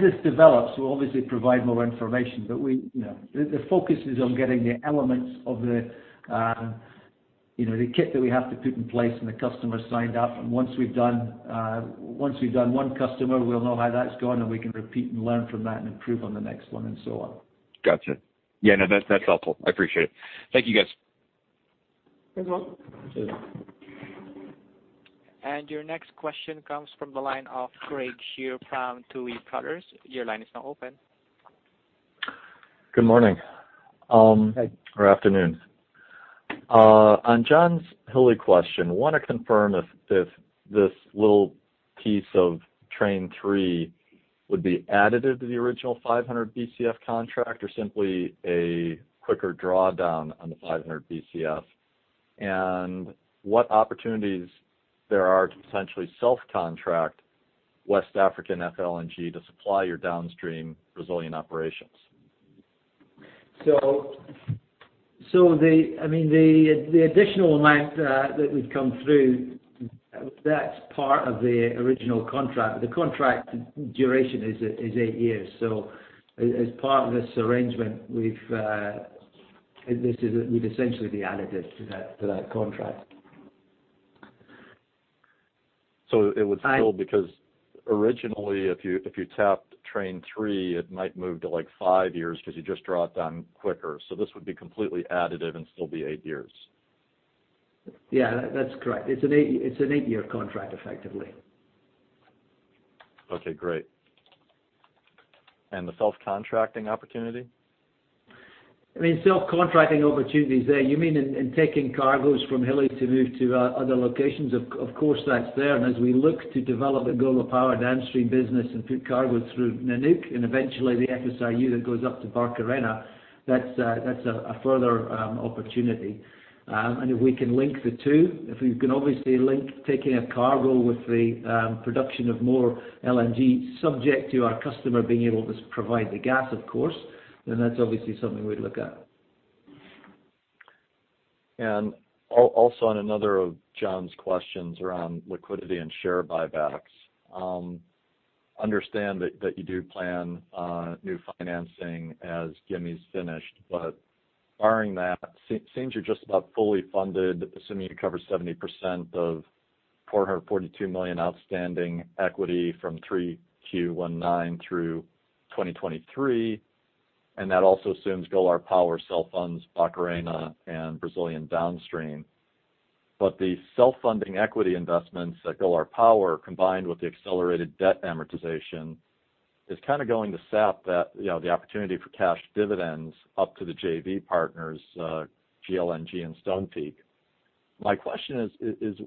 this develops, we'll obviously provide more information. The focus is on getting the elements of the kit that we have to put in place and the customers signed up. Once we've done one customer, we'll know how that's gone, and we can repeat and learn from that and improve on the next one and so on. Got you. Yeah, no, that's helpful. I appreciate it. Thank you, guys. Thanks. Cheers. Your next question comes from the line of Craig Shere from Tuohy Brothers. Your line is now open. Good morning. Hey. Afternoon. On Jon's Hilli question, I want to confirm if this little piece of Train 3 would be additive to the original 500 Bcf contract or simply a quicker drawdown on the 500 Bcf. What opportunities there are to potentially self-contract West African FLNG to supply your downstream Brazilian operations? The additional amount that we've come through, that's part of the original contract. The contract duration is eight years. As part of this arrangement, we'd essentially be additive to that contract. It would still, because originally, if you tapped Train 3, it might move to five years because you just draw it down quicker. This would be completely additive and still be eight years. Yeah, that's correct. It's an eight-year contract, effectively. Okay, great. The self-contracting opportunity? Self-contracting opportunities there, you mean in taking cargoes from Hilli to move to other locations? Of course, that's there. As we look to develop the Golar Power downstream business and put cargoes through Nanook and eventually the FSRU that goes up to Barcarena, that's a further opportunity. If we can link the two, if we can obviously link taking a cargo with the production of more LNG subject to our customer being able to provide the gas, of course, then that's obviously something we'd look at. On another of Jon's questions around liquidity and share buybacks. Understand that you do plan new financing as Gimi's finished. Barring that, seems you're just about fully funded, assuming you cover 70% of $442 million outstanding equity from 3Q 2019 through 2023, and that also assumes Golar Power self-funds Barcarena and Brazilian downstream. The self-funding equity investments at Golar Power, combined with the accelerated debt amortization, is kind of going to sap the opportunity for cash dividends up to the JV partners, GLNG, and Stonepeak. My question is,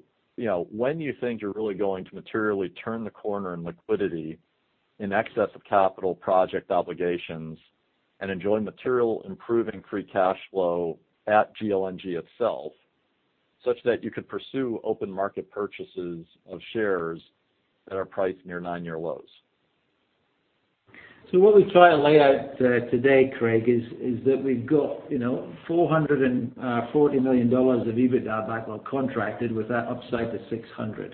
when do you think you're really going to materially turn the corner in liquidity in excess of capital project obligations and enjoy material improving free cash flow at GLNG itself, such that you could pursue open market purchases of shares that are priced near nine-year lows? What we try to lay out today, Craig, is that we've got $440 million of EBITDA backlog contracted with that upside to $600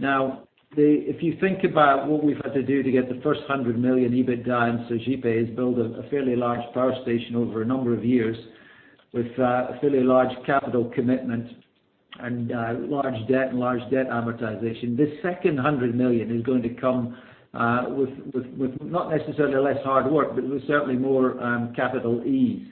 million. If you think about what we've had to do to get the first $100 million EBITDA in Sergipe is build a fairly large power station over a number of years with a fairly large capital commitment and large debt and large debt amortization. This second $100 million is going to come with not necessarily less hard work, but with certainly more capital ease.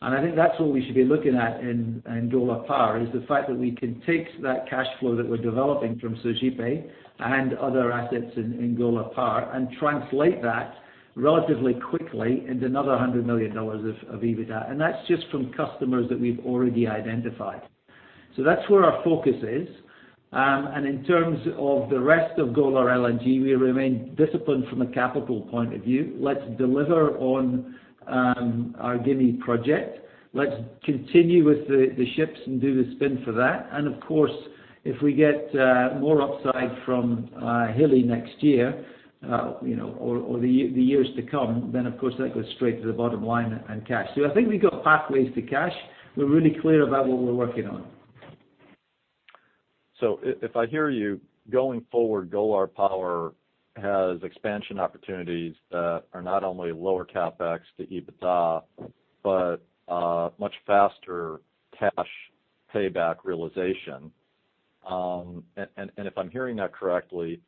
I think that's what we should be looking at in Golar Power, is the fact that we can take that cash flow that we're developing from Sergipe and other assets in Golar Power and translate that relatively quickly into another $100 million of EBITDA. That's just from customers that we've already identified. That's where our focus is. In terms of the rest of Golar LNG, we remain disciplined from a capital point of view. Let's deliver on our Gimi project. Let's continue with the ships and do the spin for that. Of course, if we get more upside from Hilli next year, or the years to come, then of course that goes straight to the bottom line and cash. I think we've got pathways to cash. We're really clear about what we're working on. If I hear you, going forward, Golar Power has expansion opportunities that are not only lower CapEx to EBITDA, but much faster cash payback realization. If I'm hearing that correctly,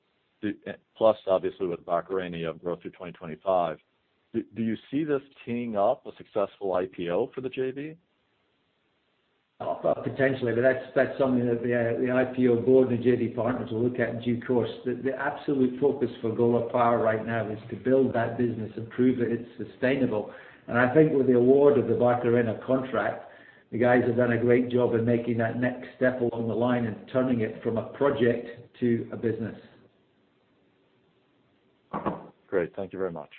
plus obviously with Barcarena growth through 2025, do you see this teeing up a successful IPO for the JV? Potentially, but that's something that the IPO board and the JV partners will look at in due course. The absolute focus for Golar Power right now is to build that business and prove that it's sustainable. I think with the award of the Barcarena contract, the guys have done a great job in making that next step along the line and turning it from a project to a business. Great. Thank you very much.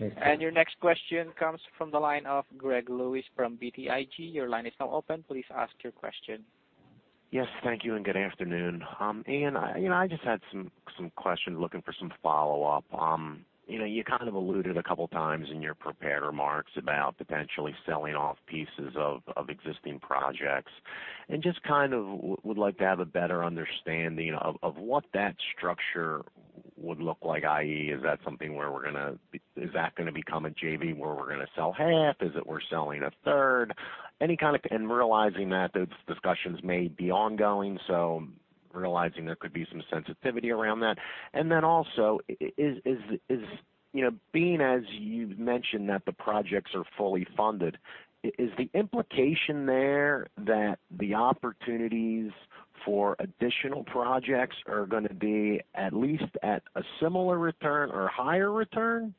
Okay. Your next question comes from the line of Greg Lewis from BTIG. Your line is now open. Please ask your question. Yes, thank you and good afternoon. Iain, I just had some questions, looking for some follow-up. You kind of alluded a couple of times in your prepared remarks about potentially selling off pieces of existing projects. Just would like to have a better understanding of what that structure would look like, i.e., is that something where we're going to become a JV where we're going to sell half? Is it we're selling a third? Realizing that those discussions may be ongoing, so realizing there could be some sensitivity around that. Then also, being as you've mentioned that the projects are fully funded, is the implication there that the opportunities for additional projects are going to be at least at a similar return or higher return?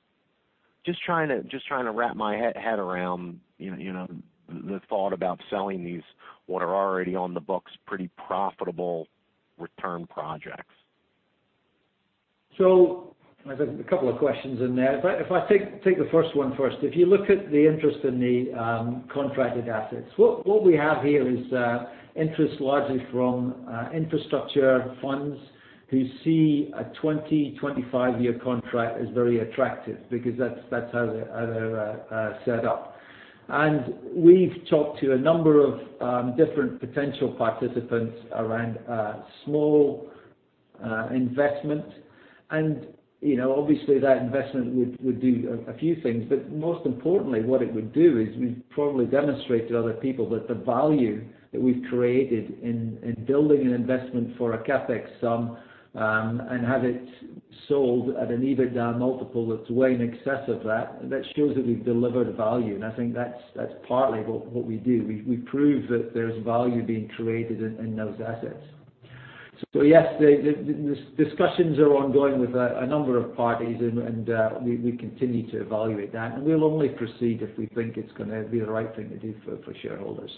Just trying to wrap my head around the thought about selling these, what are already on the books, pretty profitable return projects. I think a couple of questions in there. If I take the first one first. If you look at the interest in the contracted assets, what we have here is interest largely from infrastructure funds who see a 20-25-year contract as very attractive because that's how they're set up. We've talked to a number of different potential participants around a small investment. Obviously that investment would do a few things. Most importantly, what it would do is we'd probably demonstrate to other people that the value that we've created in building an investment for a CapEx sum, and have it sold at an EBITDA multiple that's way in excess of that shows that we've delivered value. I think that's partly what we do. We prove that there's value being created in those assets. Yes, the discussions are ongoing with a number of parties, and we continue to evaluate that, and we'll only proceed if we think it's going to be the right thing to do for shareholders.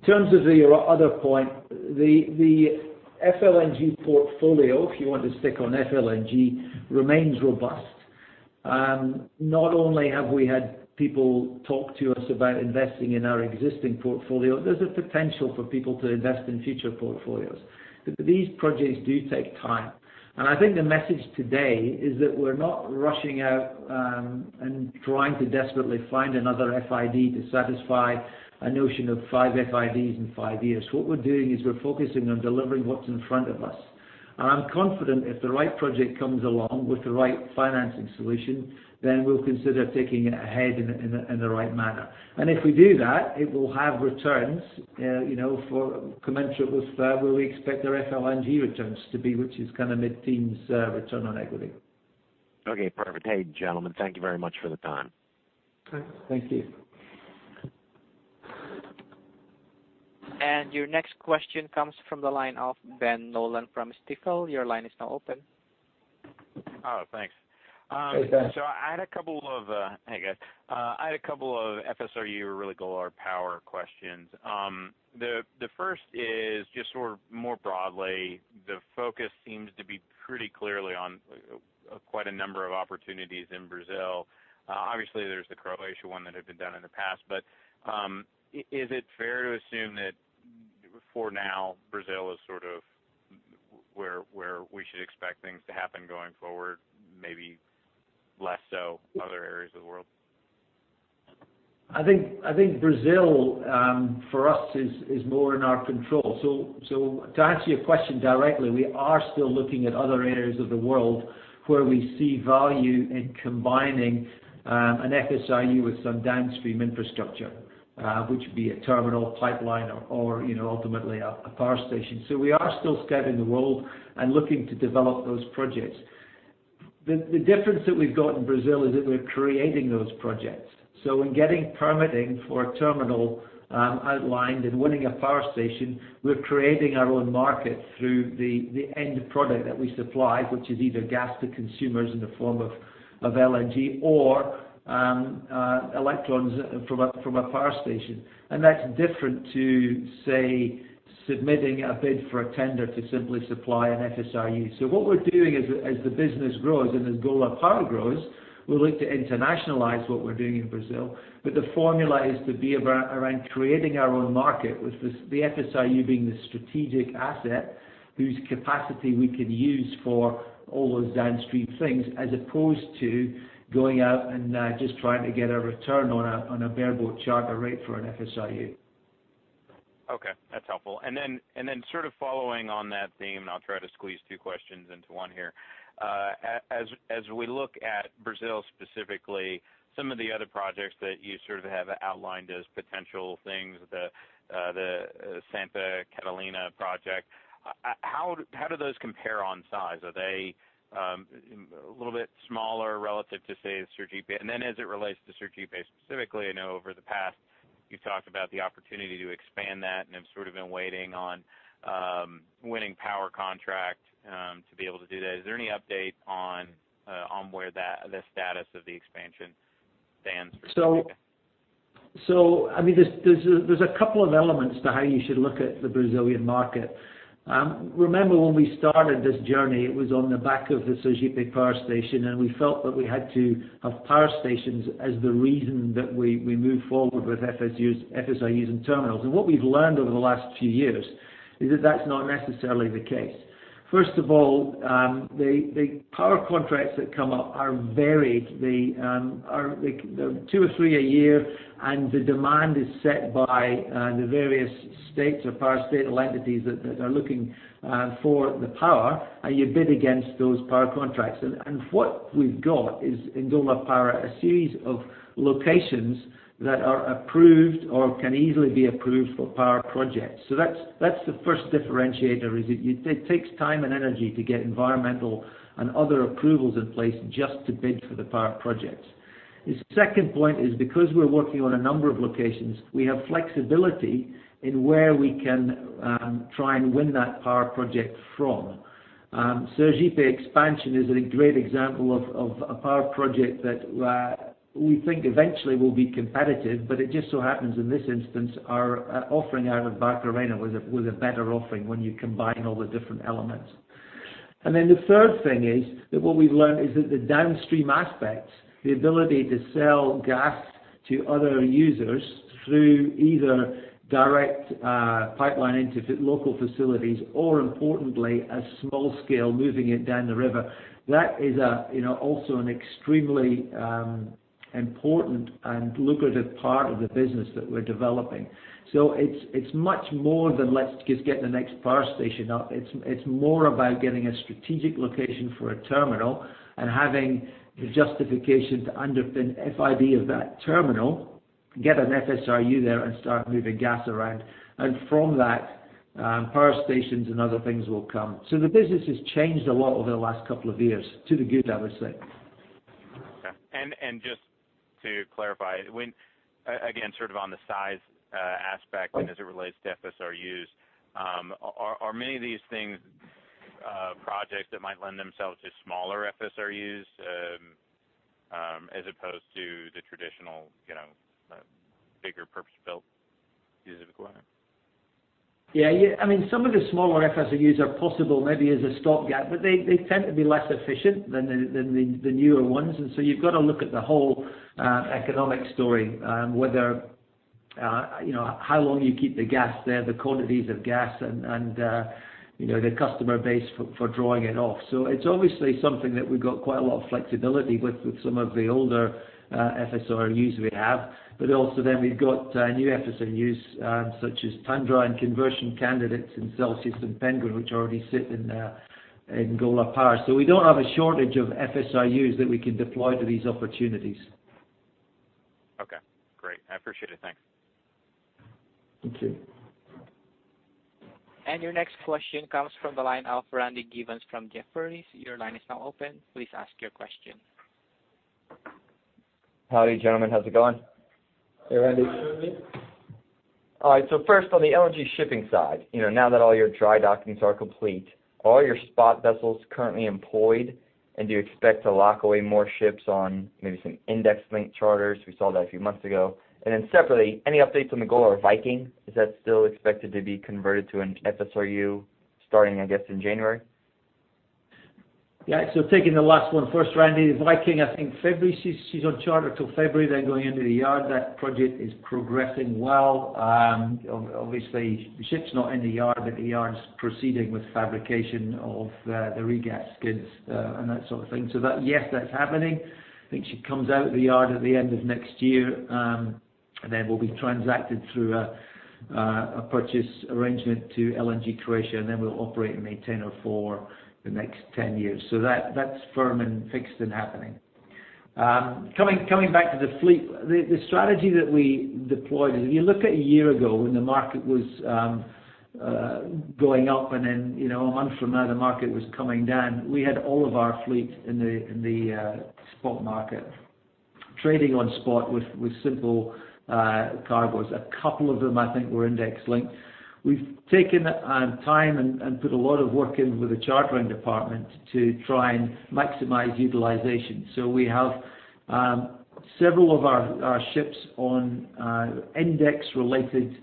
In terms of your other point, the FLNG portfolio, if you want to stick on FLNG, remains robust. Not only have we had people talk to us about investing in our existing portfolio, there's a potential for people to invest in future portfolios. These projects do take time. I think the message today is that we're not rushing out and trying to desperately find another FID to satisfy a notion of five FIDs in five years. What we're doing is we're focusing on delivering what's in front of us. I'm confident if the right project comes along with the right financing solution, then we'll consider taking it ahead in the right manner. If we do that, it will have returns commensurate with where we expect their FLNG returns to be, which is kind of mid-teens return on equity. Okay, perfect. Hey, gentlemen, thank you very much for the time. Okay. Thank you. Your next question comes from the line of Ben Nolan from Stifel. Your line is now open. Oh, thanks. Hey, Ben. Hey, guys. I had a couple of FSRU or really Golar Power questions. The first is just sort of more broadly, the focus seems to be pretty clearly on quite a number of opportunities in Brazil. Obviously, there's the Croatia one that had been done in the past. Is it fair to assume that for now, Brazil is sort of where we should expect things to happen going forward, maybe less so other areas of the world? I think Brazil for us is more in our control. To answer your question directly, we are still looking at other areas of the world where we see value in combining an FSRU with some downstream infrastructure, which would be a terminal pipeline or ultimately a power station. We are still scouting the world and looking to develop those projects. The difference that we've got in Brazil is that we're creating those projects. In getting permitting for a terminal outlined and winning a power station, we're creating our own market through the end product that we supply, which is either gas to consumers in the form of LNG or electrons from a power station. That's different to, say, submitting a bid for a tender to simply supply an FSRU. What we're doing as the business grows and as Golar Power grows, we'll look to internationalize what we're doing in Brazil. The formula is to be around creating our own market, with the FSRU being the strategic asset whose capacity we could use for all those downstream things, as opposed to going out and just trying to get a return on a bareboat charter rate for an FSRU. Okay, that's helpful. Sort of following on that theme, I'll try to squeeze two questions into one here. As we look at Brazil specifically, some of the other projects that you sort of have outlined as potential things, the Santa Catarina project, how do those compare on size? Are they a little bit smaller relative to, say, Sergipe? As it relates to Sergipe specifically, I know over the past, you've talked about the opportunity to expand that and have sort of been waiting on winning power contract to be able to do that. Is there any update on where the status of the expansion stands for Sergipe? There's a couple of elements to how you should look at the Brazilian market. Remember when we started this journey, it was on the back of the Sergipe power station, and we felt that we had to have power stations as the reason that we move forward with FSRUs and terminals. What we've learned over the last few years is that that's not necessarily the case. First of all, the power contracts that come up are varied. There are two or three a year, and the demand is set by the various states or power state entities that are looking for the power, and you bid against those power contracts. What we've got is in Golar Power, a series of locations that are approved or can easily be approved for power projects. That's the first differentiator, is it takes time and energy to get environmental and other approvals in place just to bid for the power projects. The second point is because we're working on a number of locations, we have flexibility in where we can try and win that power project from. Sergipe expansion is a great example of a power project that we think eventually will be competitive, but it just so happens in this instance, our offering out of Barcarena was a better offering when you combine all the different elements. The third thing is that what we've learned is that the downstream aspects, the ability to sell gas to other users through either direct pipeline into local facilities or importantly, a small scale, moving it down the river, that is also an extremely important and lucrative part of the business that we're developing. It's much more than let's just get the next power station up. It's more about getting a strategic location for a terminal and having the justification to underpin FID of that terminal, get an FSRU there and start moving gas around. From that, power stations and other things will come. The business has changed a lot over the last couple of years. To the good, I would say. Okay. Just to clarify, again, sort of on the size aspect and as it relates to FSRUs, are many of these things projects that might lend themselves to smaller FSRUs, as opposed to the traditional bigger purpose-built specific one? Yeah. Some of the smaller FSRUs are possible, maybe as a stopgap, but they tend to be less efficient than the newer ones. You've got to look at the whole economic story, whether how long you keep the gas there, the quantities of gas, and the customer base for drawing it off. It's obviously something that we've got quite a lot of flexibility with some of the older FSRUs we have. We've got new FSRUs, such as Tundra and conversion candidates in Celsius and Penguin, which already sit in Golar Power. We don't have a shortage of FSRUs that we can deploy to these opportunities. Okay, great. I appreciate it. Thanks. Thank you. Your next question comes from the line of Randy Giveans from Jefferies. Your line is now open. Please ask your question. Howdy, gentlemen. How's it going? Hey, Randy. All right, first on the LNG shipping side. Now that all your dry dockings are complete, are all your spot vessels currently employed, and do you expect to lock away more ships on maybe some index link charters? We saw that a few months ago. Separately, any updates on the Golar Viking? Is that still expected to be converted to an FSRU starting, I guess, in January? Yeah. Taking the last one first, Randy. The Viking, I think February, she's on charter till February, then going into the yard. That project is progressing well. Obviously, the ship's not in the yard, but the yard's proceeding with fabrication of the regas skids and that sort of thing. Yes, that's happening. I think she comes out of the yard at the end of next year, and then will be transacted through a purchase arrangement to LNG Croatia, and then we'll operate and maintain her for the next 10 years. That's firm and fixed and happening. Coming back to the fleet, the strategy that we deployed is, if you look at a year ago when the market was going up and then a month from now, the market was coming down, we had all of our fleet in the spot market, trading on spot with simple cargoes. A couple of them, I think, were index-linked. We've taken time and put a lot of work into the chartering department to try and maximize utilization. We have several of our ships on index-related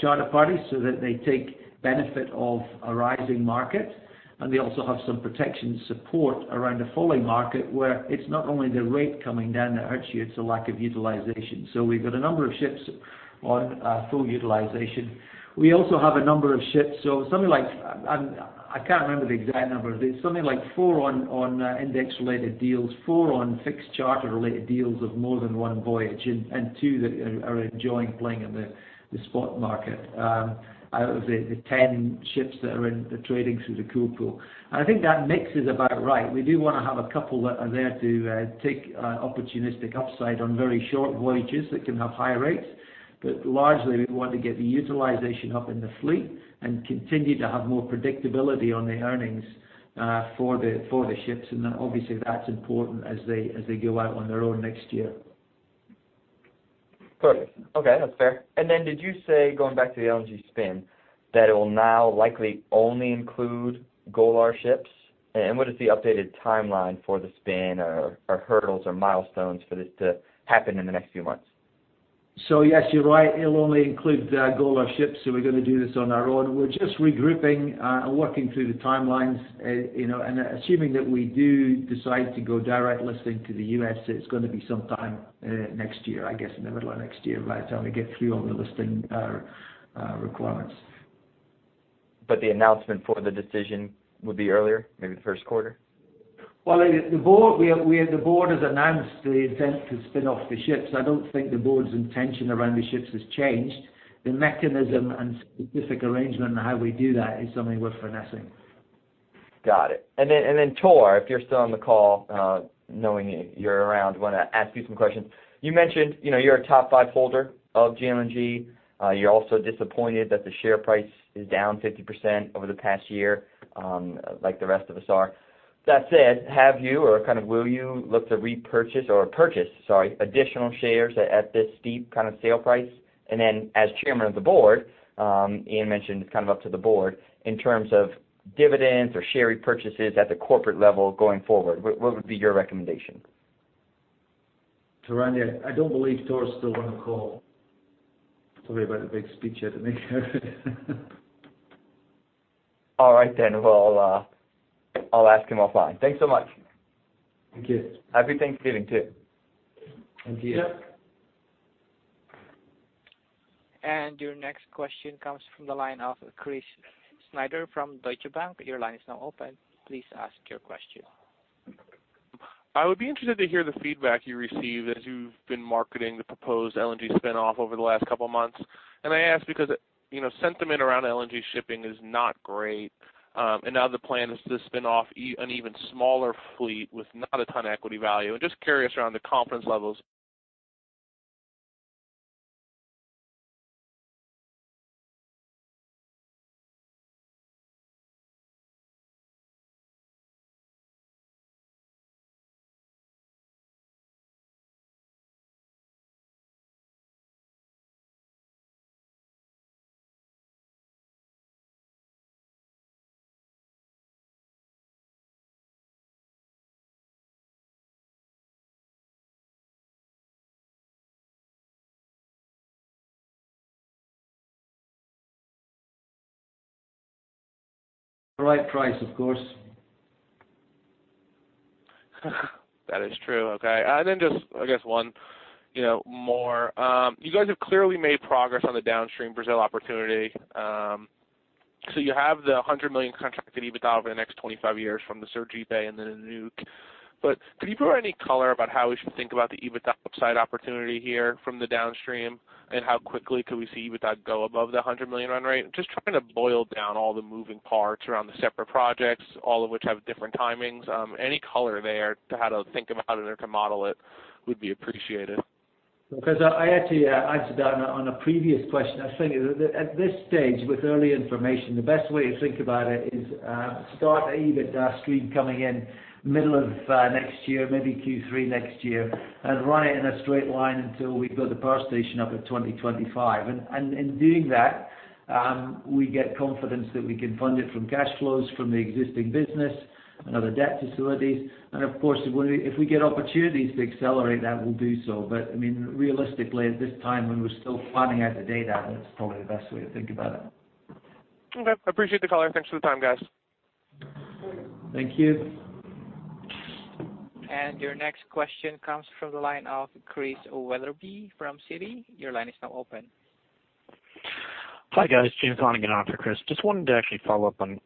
charter parties so that they take benefit of a rising market, and they also have some protection support around a falling market, where it's not only the rate coming down that hurts you, it's a lack of utilization. We've got a number of ships on full utilization. We also have a number of ships, something like, I can't remember the exact number, but it's something like four on index-related deals, four on fixed charter-related deals of more than one voyage, and two that are enjoying playing in the spot market, out of the 10 ships that are in the trading through the Cool Pool. I think that mix is about right. We do want to have a couple that are there to take opportunistic upside on very short voyages that can have high rates. Largely, we want to get the utilization up in the fleet and continue to have more predictability on the earnings for the ships. Obviously, that's important as they go out on their own next year. Perfect. Okay, that's fair. Did you say, going back to the LNG spin, that it will now likely only include Golar ships? What is the updated timeline for the spin or hurdles or milestones for this to happen in the next few months? Yes, you're right. It'll only include the Golar ships, so we're going to do this on our own. We're just regrouping and working through the timelines. Assuming that we do decide to go direct listing to the U.S., it's going to be sometime next year. I guess in the middle of next year, by the time we get through all the listing requirements. The announcement for the decision would be earlier, maybe the first quarter? Well, the board has announced the intent to spin off the ships. I don't think the board's intention around the ships has changed. The mechanism and specific arrangement on how we do that is something worth finessing. Got it. Then Tor, if you're still on the call, knowing you're around, want to ask you some questions. You mentioned you're a top 5 holder of GLNG. You're also disappointed that the share price is down 50% over the past year, like the rest of us are. That said, have you or will you look to repurchase or purchase additional shares at this steep kind of sale price? Then as Chairman of the Board, Iain mentioned it's up to the Board, in terms of dividends or share repurchases at the corporate level going forward, what would be your recommendation? Tor Olav? I don't believe Tor's still on the call. Sorry about the big speech he had to make. All right then. Well, I'll ask him offline. Thanks so much. Thank you. Happy Thanksgiving, too. Thank you. Yep. Your next question comes from the line of Chris Snyder from Deutsche Bank. Your line is now open. Please ask your question. I would be interested to hear the feedback you received as you've been marketing the proposed LNG spin-off over the last couple of months. I ask because sentiment around LNG shipping is not great. Now the plan is to spin off an even smaller fleet with not a ton of equity value. I'm just curious around the confidence levels. The right price, of course. That is true. Okay. Just, I guess one more. You guys have clearly made progress on the downstream Brazil opportunity. You have the $100 million contract with Iberdrola for the next 25 years from the Sergipe and then the Nanook. Could you provide any color about how we should think about the Iberdrola upside opportunity here from the downstream, and how quickly could we see Iberdrola go above the $100 million run rate? Just trying to boil down all the moving parts around the separate projects, all of which have different timings. Any color there to how to think about it or to model it would be appreciated. I had to answer that on a previous question. I was thinking, at this stage, with early information, the best way to think about it is start the Iberdrola stream coming in middle of next year, maybe Q3 next year, and run it in a straight line until we've got the power station up in 2025. In doing that, we get confidence that we can fund it from cash flows from the existing business and other debt facilities. Of course, if we get opportunities to accelerate that, we'll do so. Realistically, at this time, when we're still planning out the data, that's probably the best way to think about it. Okay. Appreciate the color. Thanks for the time, guys. Thank you. Your next question comes from the line of Chris Wetherbee from Citi. Your line is now open. Hi, guys. After Chris. Just wanted to actually follow up on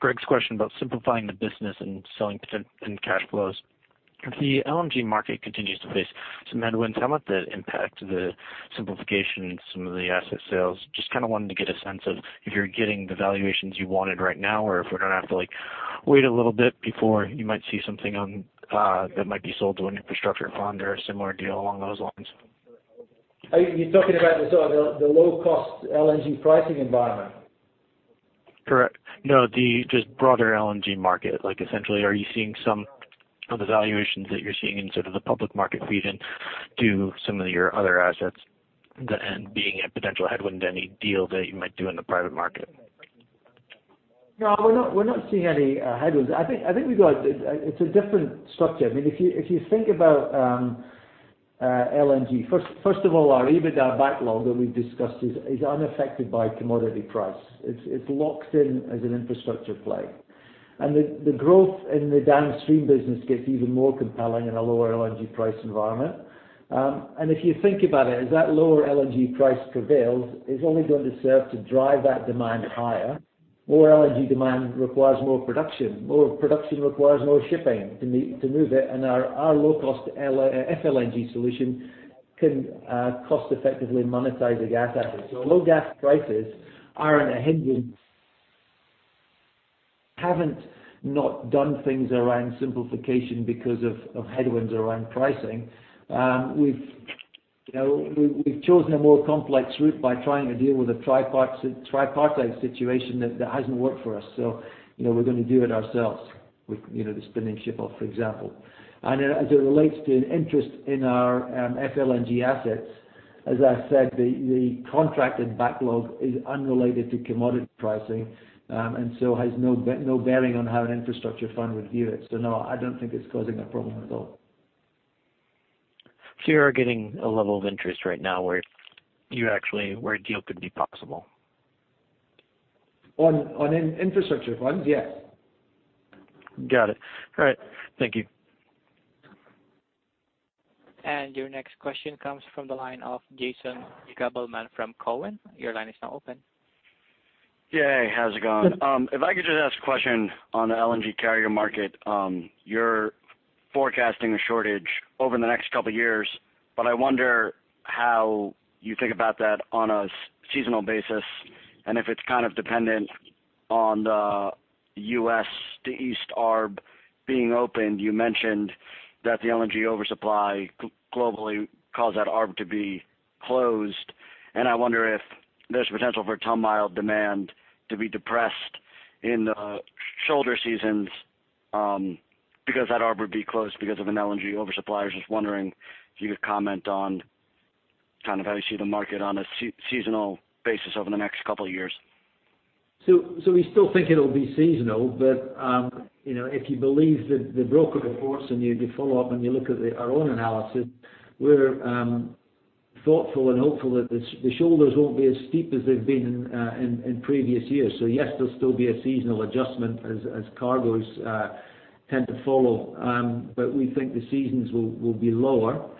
Greg's question about simplifying the business and selling potential in cash flows. If the LNG market continues to face some headwinds, how might that impact the simplification and some of the asset sales? Just wanted to get a sense of if you're getting the valuations you wanted right now or if we're going to have to wait a little bit before you might see something that might be sold to an infrastructure fund or a similar deal along those lines. Are you talking about the sort of the low-cost LNG pricing environment? Correct. No, just broader LNG market. Essentially, are you seeing some of the valuations that you're seeing in sort of the public market feed into some of your other assets, and being a potential headwind to any deal that you might do in the private market? No, we're not seeing any headwinds. I think it's a different structure. If you think about LNG, first of all, our EBITDA backlog that we've discussed is unaffected by commodity price. It's locked in as an infrastructure play. The growth in the downstream business gets even more compelling in a lower LNG price environment. If you think about it, as that lower LNG price prevails, it's only going to serve to drive that demand higher. More LNG demand requires more production. More production requires more shipping to move it, and our low-cost FLNG solution can cost-effectively monetize a gas asset. Low gas prices aren't a headwind. Haven't not done things around simplification because of headwinds around pricing. We've chosen a more complex route by trying to deal with a tripartite situation that hasn't worked for us, so we're going to do it ourselves with the spinning ship off, for example. As it relates to an interest in our FLNG assets, as I said, the contracted backlog is unrelated to commodity pricing, and so has no bearing on how an infrastructure fund would view it. No, I don't think it's causing a problem at all. You are getting a level of interest right now where a deal could be possible? On infrastructure funds, yes. Got it. All right. Thank you. Your next question comes from the line of Jason Gabelman from Cowen. Your line is now open. Yay. How's it going? If I could just ask a question on the LNG carrier market. You're forecasting a shortage over the next couple of years, but I wonder how you think about that on a seasonal basis, and if it's kind of dependent on the U.S. to East Arb being opened. You mentioned that the LNG oversupply globally caused the Arb to be closed, and I wonder if there's potential for ton-mile demand to be depressed in the shoulder seasons because the Arb would be closed because of an LNG oversupply. I was just wondering if you could comment on how you see the market on a seasonal basis over the next couple of years. We still think it'll be seasonal, but if you believe the broker reports and you follow up and you look at our own analysis, we're thoughtful and hopeful that the shoulders won't be as steep as they've been in previous years. Yes, there'll still be a seasonal adjustment as cargoes tend to follow. We think the seasons will be lower.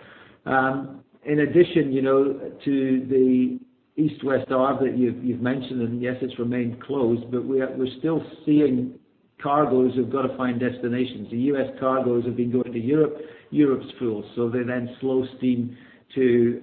In addition to the East-West Arb that you've mentioned, and yes, it's remained closed, but we're still seeing cargoes have got to find destinations. The U.S. cargoes have been going to Europe. Europe's full. They then slow-steam to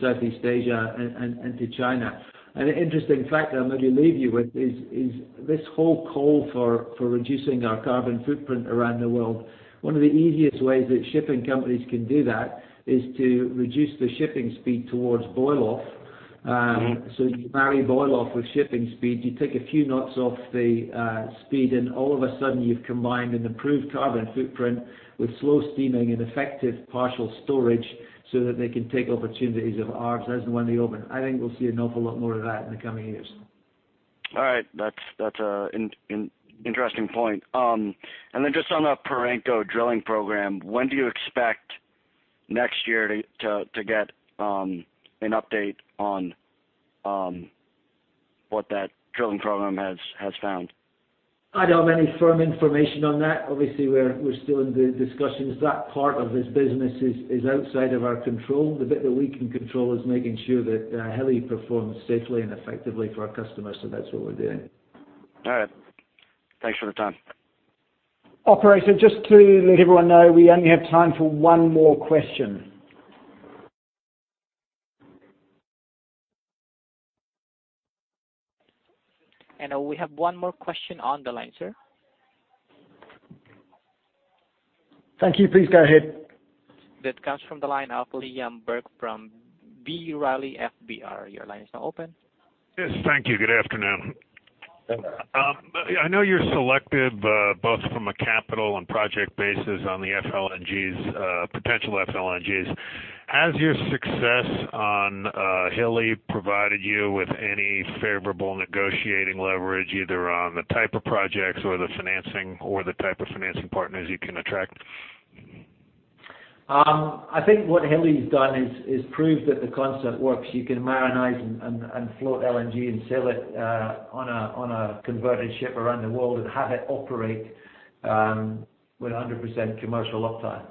Southeast Asia and to China. An interesting fact that I'm going to leave you with is this whole call for reducing our carbon footprint around the world. One of the easiest ways that shipping companies can do that is to reduce the shipping speed towards boil-off. You marry boil off with shipping speed, you take a few knots off the speed, and all of a sudden you've combined an improved carbon footprint with slow steaming and effective partial storage so that they can take opportunities of arbs as and when they open. I think we'll see an awful lot more of that in the coming years. All right. That's an interesting point. Just on the Perenco drilling program, when do you expect next year to get an update on what that drilling program has found? I don't have any firm information on that. Obviously, we're still in the discussions. That part of this business is outside of our control. The bit that we can control is making sure that Hilli performs safely and effectively for our customers. That's what we're doing. All right. Thanks for the time. Operator, just to let everyone know, we only have time for one more question. We have one more question on the line, sir. Thank you. Please go ahead. That comes from the line of Liam Burke from B. Riley FBR. Your line is now open. Yes, thank you. Good afternoon. I know you're selective, both from a capital and project basis on the potential FLNGs. Has your success on Hilli provided you with any favorable negotiating leverage, either on the type of projects, the financing, or the type of financing partners you can attract? I think what Hilli's done is proved that the concept works. You can marinize and float LNG and sell it on a converted ship around the world and have it operate with 100% commercial uptime.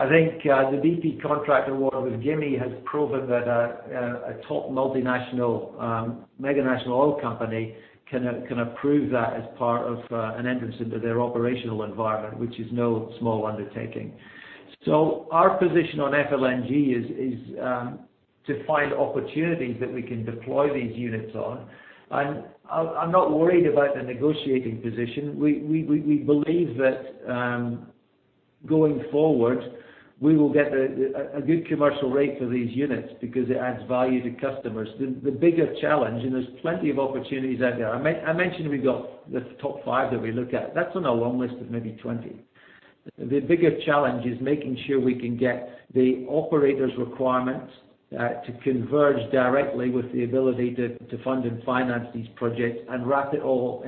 I think the BP contract award with Gimi has proven that a top multinational, mega national oil company can approve that as part of an entrance into their operational environment, which is no small undertaking. Our position on FLNG is to find opportunities that we can deploy these units on. I'm not worried about the negotiating position. We believe that going forward, we will get a good commercial rate for these units because it adds value to customers. The biggest challenge. There's plenty of opportunities out there. I mentioned we've got the top five that we look at. That's on our long list of maybe 20. The biggest challenge is making sure we can get the operators' requirements to converge directly with the ability to fund and finance these projects and wrap it all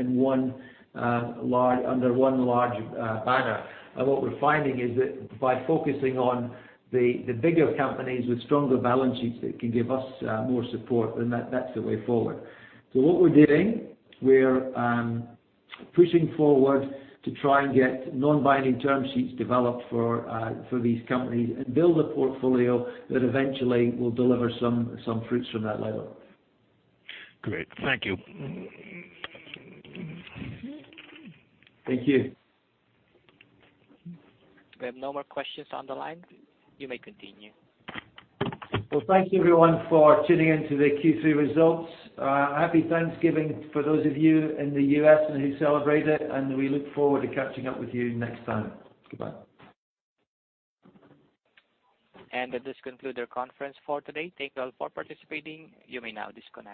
under one large banner. What we're finding is that by focusing on the bigger companies with stronger balance sheets that can give us more support, then that's the way forward. What we're doing, we're pushing forward to try and get non-binding term sheets developed for these companies and build a portfolio that eventually will deliver some fruits from that labor. Great. Thank you. Thank you. We have no more questions on the line. You may continue. Well, thank you everyone for tuning in to the Q3 results. Happy Thanksgiving for those of you in the U.S. and who celebrate it, and we look forward to catching up with you next time. Goodbye. That does conclude our conference for today. Thank you all for participating. You may now disconnect.